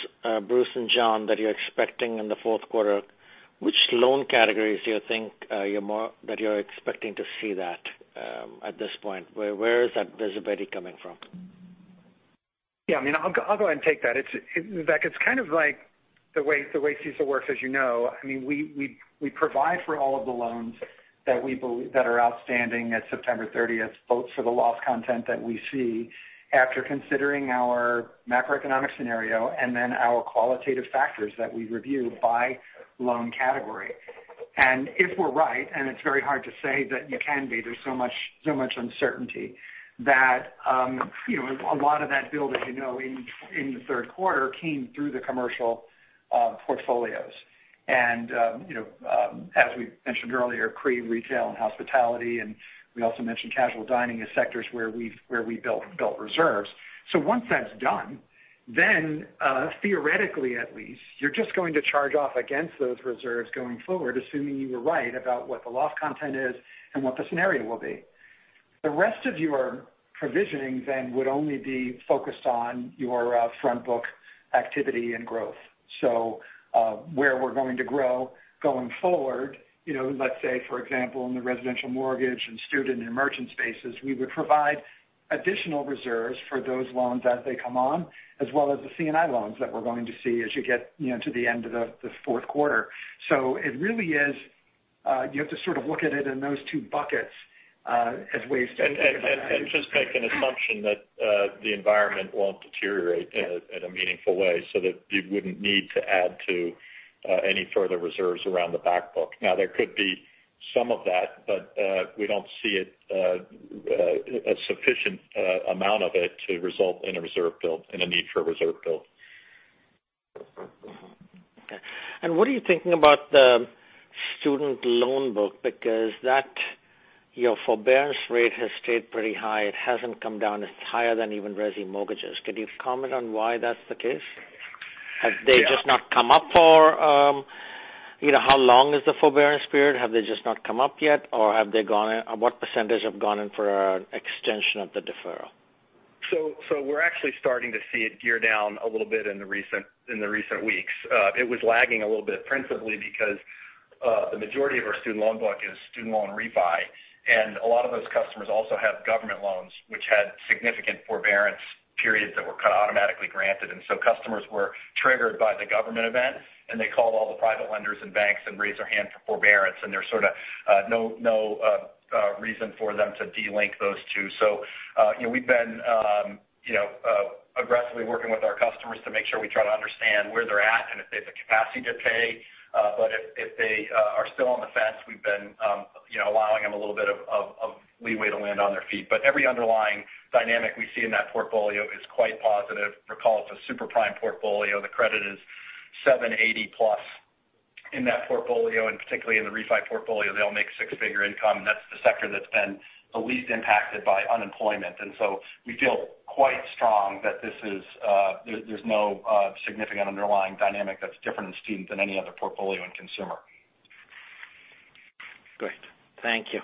Bruce and John, that you're expecting in the fourth quarter, which loan categories do you think that you're expecting to see that at this point? Where is that visibility coming from? I'll go ahead and take that. Vivek, it's kind of like the way CECL works, as you know. We provide for all of the loans that are outstanding at September 30th, both for the loss content that we see after considering our macroeconomic scenario and then our qualitative factors that we review by loan category. If we're right, and it's very hard to say that you can be, there's so much uncertainty that a lot of that build, as you know, in the third quarter came through the commercial portfolios. As we mentioned earlier, CRE retail and hospitality, and we also mentioned casual dining as sectors where we built reserves. Once that's done, theoretically at least, you're just going to charge off against those reserves going forward, assuming you were right about what the loss content is and what the scenario will be. The rest of your provisioning then would only be focused on your front book activity and growth. Where we're going to grow going forward, let's say, for example, in the residential mortgage and student and merchant spaces, we would provide additional reserves for those loans as they come on, as well as the C&I loans that we're going to see as you get to the end of the fourth quarter. It really is. You have to look at it in those two buckets as ways to think about it. Just make an assumption that the environment won't deteriorate Yeah. --in a meaningful way so that you wouldn't need to add to any further reserves around the back book. There could be some of that, but we don't see a sufficient amount of it to result in a reserve build, in a need for a reserve build. Okay. What are you thinking about the student loan book? That forbearance rate has stayed pretty high. It hasn't come down. It's higher than even resi mortgages. Could you comment on why that's the case? How long is the forbearance period? Have they just not come up yet? What percentage have gone in for an extension of the deferral? We're actually starting to see it gear down a little bit in the recent weeks. It was lagging a little bit, principally because the majority of our student loan book is student loan refi. A lot of those customers also have government loans, which had significant forbearance periods that were kind of automatically granted. Customers were triggered by the government event, and they called all the private lenders and banks and raised their hand for forbearance. There's sort of no reason for them to de-link those two. We've been aggressively working with our customers to make sure we try to understand where they're at and if they have the capacity to pay. If they are still on the fence, we've been allowing them a little bit of leeway to land on their feet. Every underlying dynamic we see in that portfolio is quite positive. Recall it's a super prime portfolio. The credit is 780+ in that portfolio, and particularly in the refi portfolio, they all make six-figure income. That's the sector that's been the least impacted by unemployment. We feel quite strong that there's no significant underlying dynamic that's different in student than any other portfolio in consumer. Great. Thank you.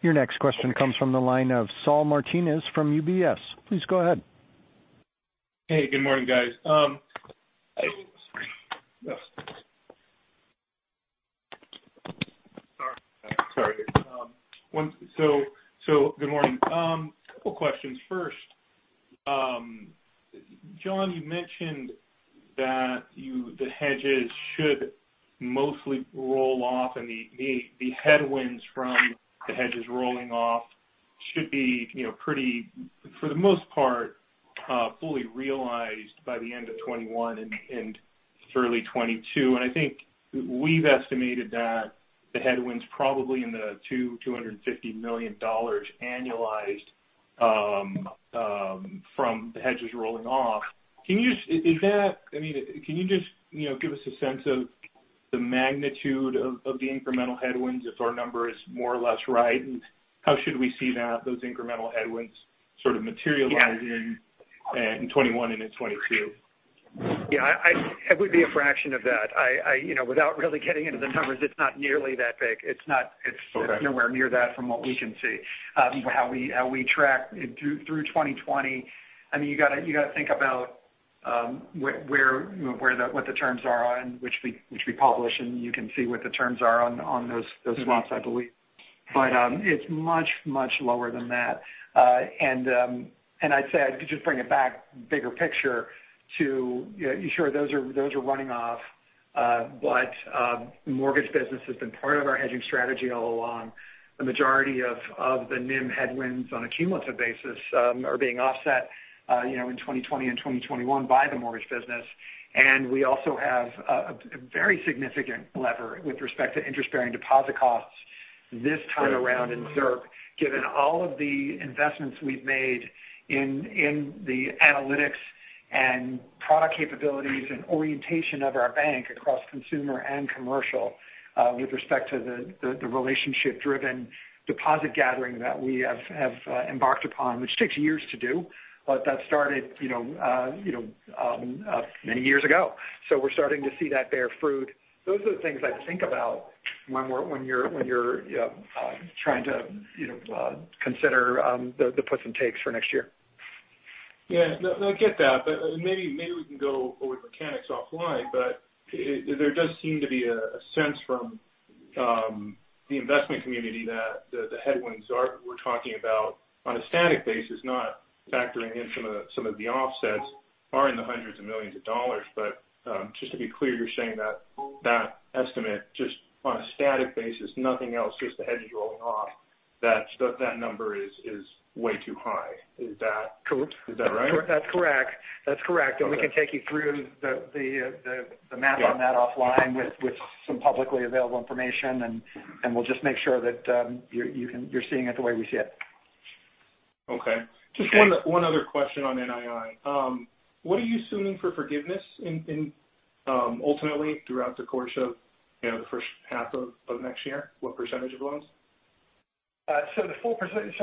Your next question comes from the line of Saul Martinez from UBS. Please go ahead. Hey, good morning, guys. Hi. Sorry. Good morning. Couple questions. First, John, you mentioned that the hedges should mostly roll off and the headwinds from the hedges rolling off should be pretty, for the most part, fully realized by the end of 2021 and early 2022. And I think we've estimated that the headwinds probably in the $250 million annualized from the hedges rolling off. Can you just give us a sense of the magnitude of the incremental headwinds if our number is more or less right, and how should we see those incremental headwinds sort of materialize Yeah. --in 2021 and into 2022? Yeah. It would be a fraction of that. Without really getting into the numbers, it's not nearly that big. Okay. It's nowhere near that from what we can see. How we track through 2020, you've got to think about what the terms are on which we publish, and you can see what the terms are on those swaps, I believe. It's much, much lower than that. I'd say, I could just bring it back bigger picture to, sure, those are running off. Mortgage business has been part of our hedging strategy all along. The majority of the NIM headwinds on a cumulative basis are being offset in 2020 and 2021 by the mortgage business. We also have a very significant lever with respect to interest-bearing deposit costs this time around in ZIRP, given all of the investments we've made in the analytics and product capabilities and orientation of our bank across consumer and commercial with respect to the relationship-driven deposit gathering that we have embarked upon, which takes years to do. That started many years ago. We're starting to see that bear fruit. Those are the things I'd think about when you're trying to consider the puts and takes for next year. Yeah. No, I get that. Maybe we can go over the mechanics offline. There does seem to be a sense from the investment community that the headwinds we're talking about on a static basis, not factoring in some of the offsets, are in the hundreds of millions of dollars. Just to be clear, you're saying that that estimate, just on a static basis, nothing else, just the hedges rolling off, that number is way too high. Is that Correct. --is that right? That's correct. Okay. We can take you through the math on that offline with some publicly available information, and we'll just make sure that you're seeing it the way we see it. Okay. Just one other question on NII. What are you assuming for forgiveness ultimately throughout the course of the first half of next year? What percentage of loans? There's a 15%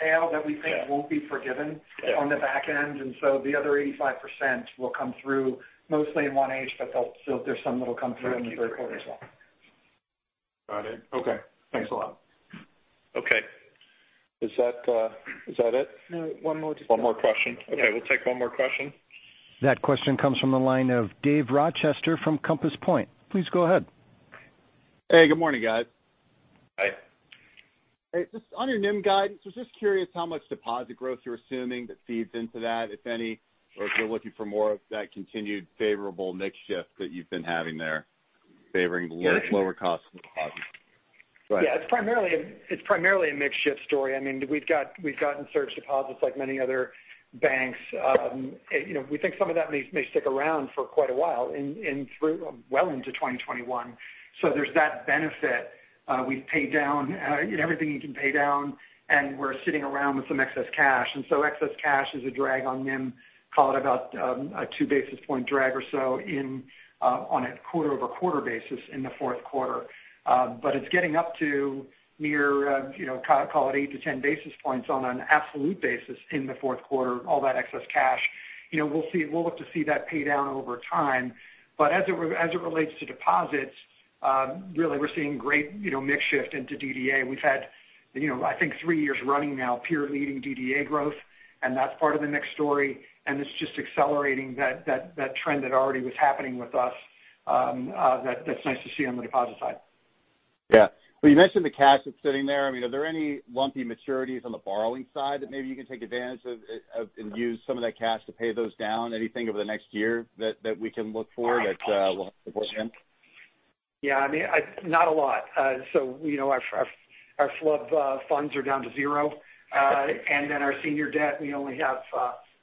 tail that we Yeah. --won't be forgiven Yeah. --on the back end, and so the other 85% will come through mostly in one stage, but there's some that'll come through in the third quarter as well. Got it. Okay. Thanks a lot. Okay. Is that it? No, one more... One more question? Okay, we'll take one more question. That question comes from the line of Dave Rochester from Compass Point. Please go ahead. Hey, good morning, guys. Hi. Hey, just on your NIM guidance, I was just curious how much deposit growth you're assuming that feeds into that, if any, or if you're looking for more of that continued favorable mix shift that you've been having there favoring lower cost deposits? It's primarily a mix shift story. We've gotten surge deposits like many other banks. We think some of that may stick around for quite a while and through well into 2021. There's that benefit. We've paid down everything you can pay down, and we're sitting around with some excess cash. Excess cash is a drag on NIM, call it about a two basis points drag or so on a quarter-over-quarter basis in the fourth quarter. It's getting up to near, call it 8-10 basis points on an absolute basis in the fourth quarter, all that excess cash. We'll look to see that pay down over time. As it relates to deposits, really, we're seeing great mix shift into DDA. We've had, I think, three years running now, peer-leading DDA growth, and that's part of the mix story, and it's just accelerating that trend that already was happening with us. That's nice to see on the deposit side. Well, you mentioned the cash that's sitting there. Are there any lumpy maturities on the borrowing side that maybe you can take advantage of and use some of that cash to pay those down? Anything over the next year that we can look for that will support NIM? Yeah. Not a lot. Our FHLB funds are down to zero. Our senior debt, we only have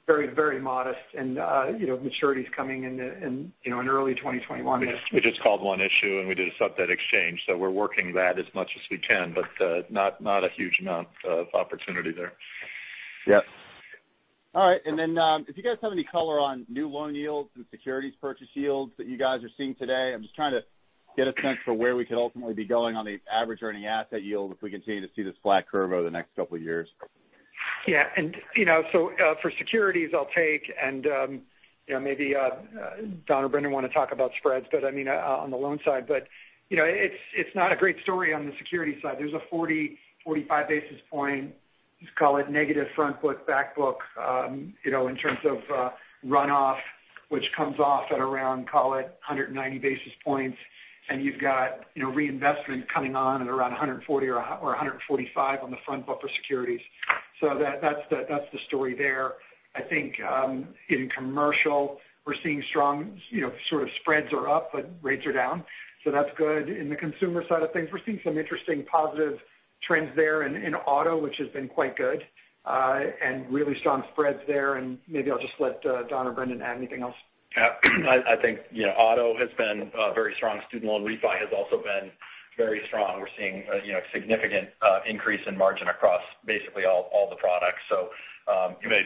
very modest maturities coming in early 2021. We just called one issue, and we did a sub-debt exchange. We're working that as much as we can, but not a huge amount of opportunity there. Yep. All right. Then if you guys have any color on new loan yields and securities purchase yields that you guys are seeing today. I'm just trying to get a sense for where we could ultimately be going on the average earning asset yield if we continue to see this flat curve over the next couple of years. Yeah. For securities, I'll take, and maybe Don or Brendan want to talk about spreads, on the loan side. It's not a great story on the security side. There's a 40-45 basis point, let's call it negative front book, back book, in terms of runoff, which comes off at around, call it 190 basis points, and you've got reinvestment coming on at around 140 or 145 on the front book of securities. That's the story there. I think in commercial, we're seeing strong spreads are up, but rates are down, so that's good. In the consumer side of things, we're seeing some interesting positive trends there in auto, which has been quite good, and really strong spreads there. Maybe I'll just let Don or Brendan add anything else. I think auto has been very strong. Student loan refi has also been very strong. We're seeing a significant increase in margin across basically all the products... You may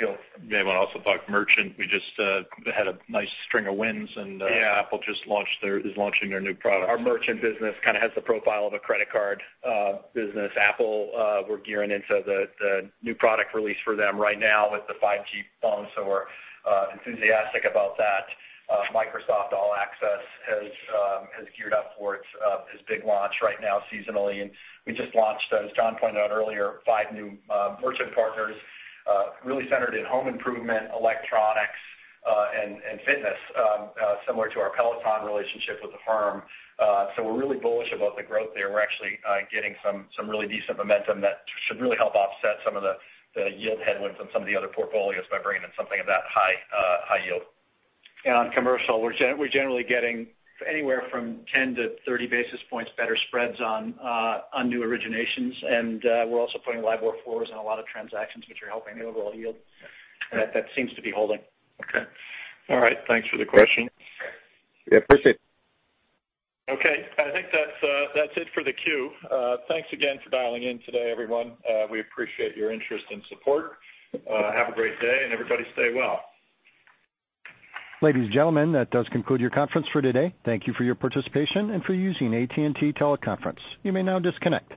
want to also talk merchant. We just had a nice string of wins. Yeah. Apple is launching their new product. Our merchant business kind of has the profile of a credit card business. Apple, we're curing into the new product release for them right now with the 5G phone. Xbox All Access has geared up for its big launch right now seasonally. We just launched, as John pointed out earlier, five new merchant partners really centered in home improvement, electronics, and fitness, similar to our Peloton relationship with the firm. We're really bullish about the growth there. We're actually getting some really decent momentum that should really help offset some of the yield headwinds on some of the other portfolios by bringing in something of that high yield. On commercial, we're generally getting anywhere from 10 to 30 basis points better spreads on new originations, and we're also putting LIBOR floors on a lot of transactions, which are helping the overall yield. That seems to be holding. Okay. All right. Thanks for the question. Yeah. Appreciate it. Okay. I think that's it for the queue. Thanks again for dialing in today, everyone. We appreciate your interest and support. Have a great day, and everybody stay well. Ladies and gentlemen, that does conclude your conference for today. Thank you for your participation and for using AT&T Teleconference. You may now disconnect.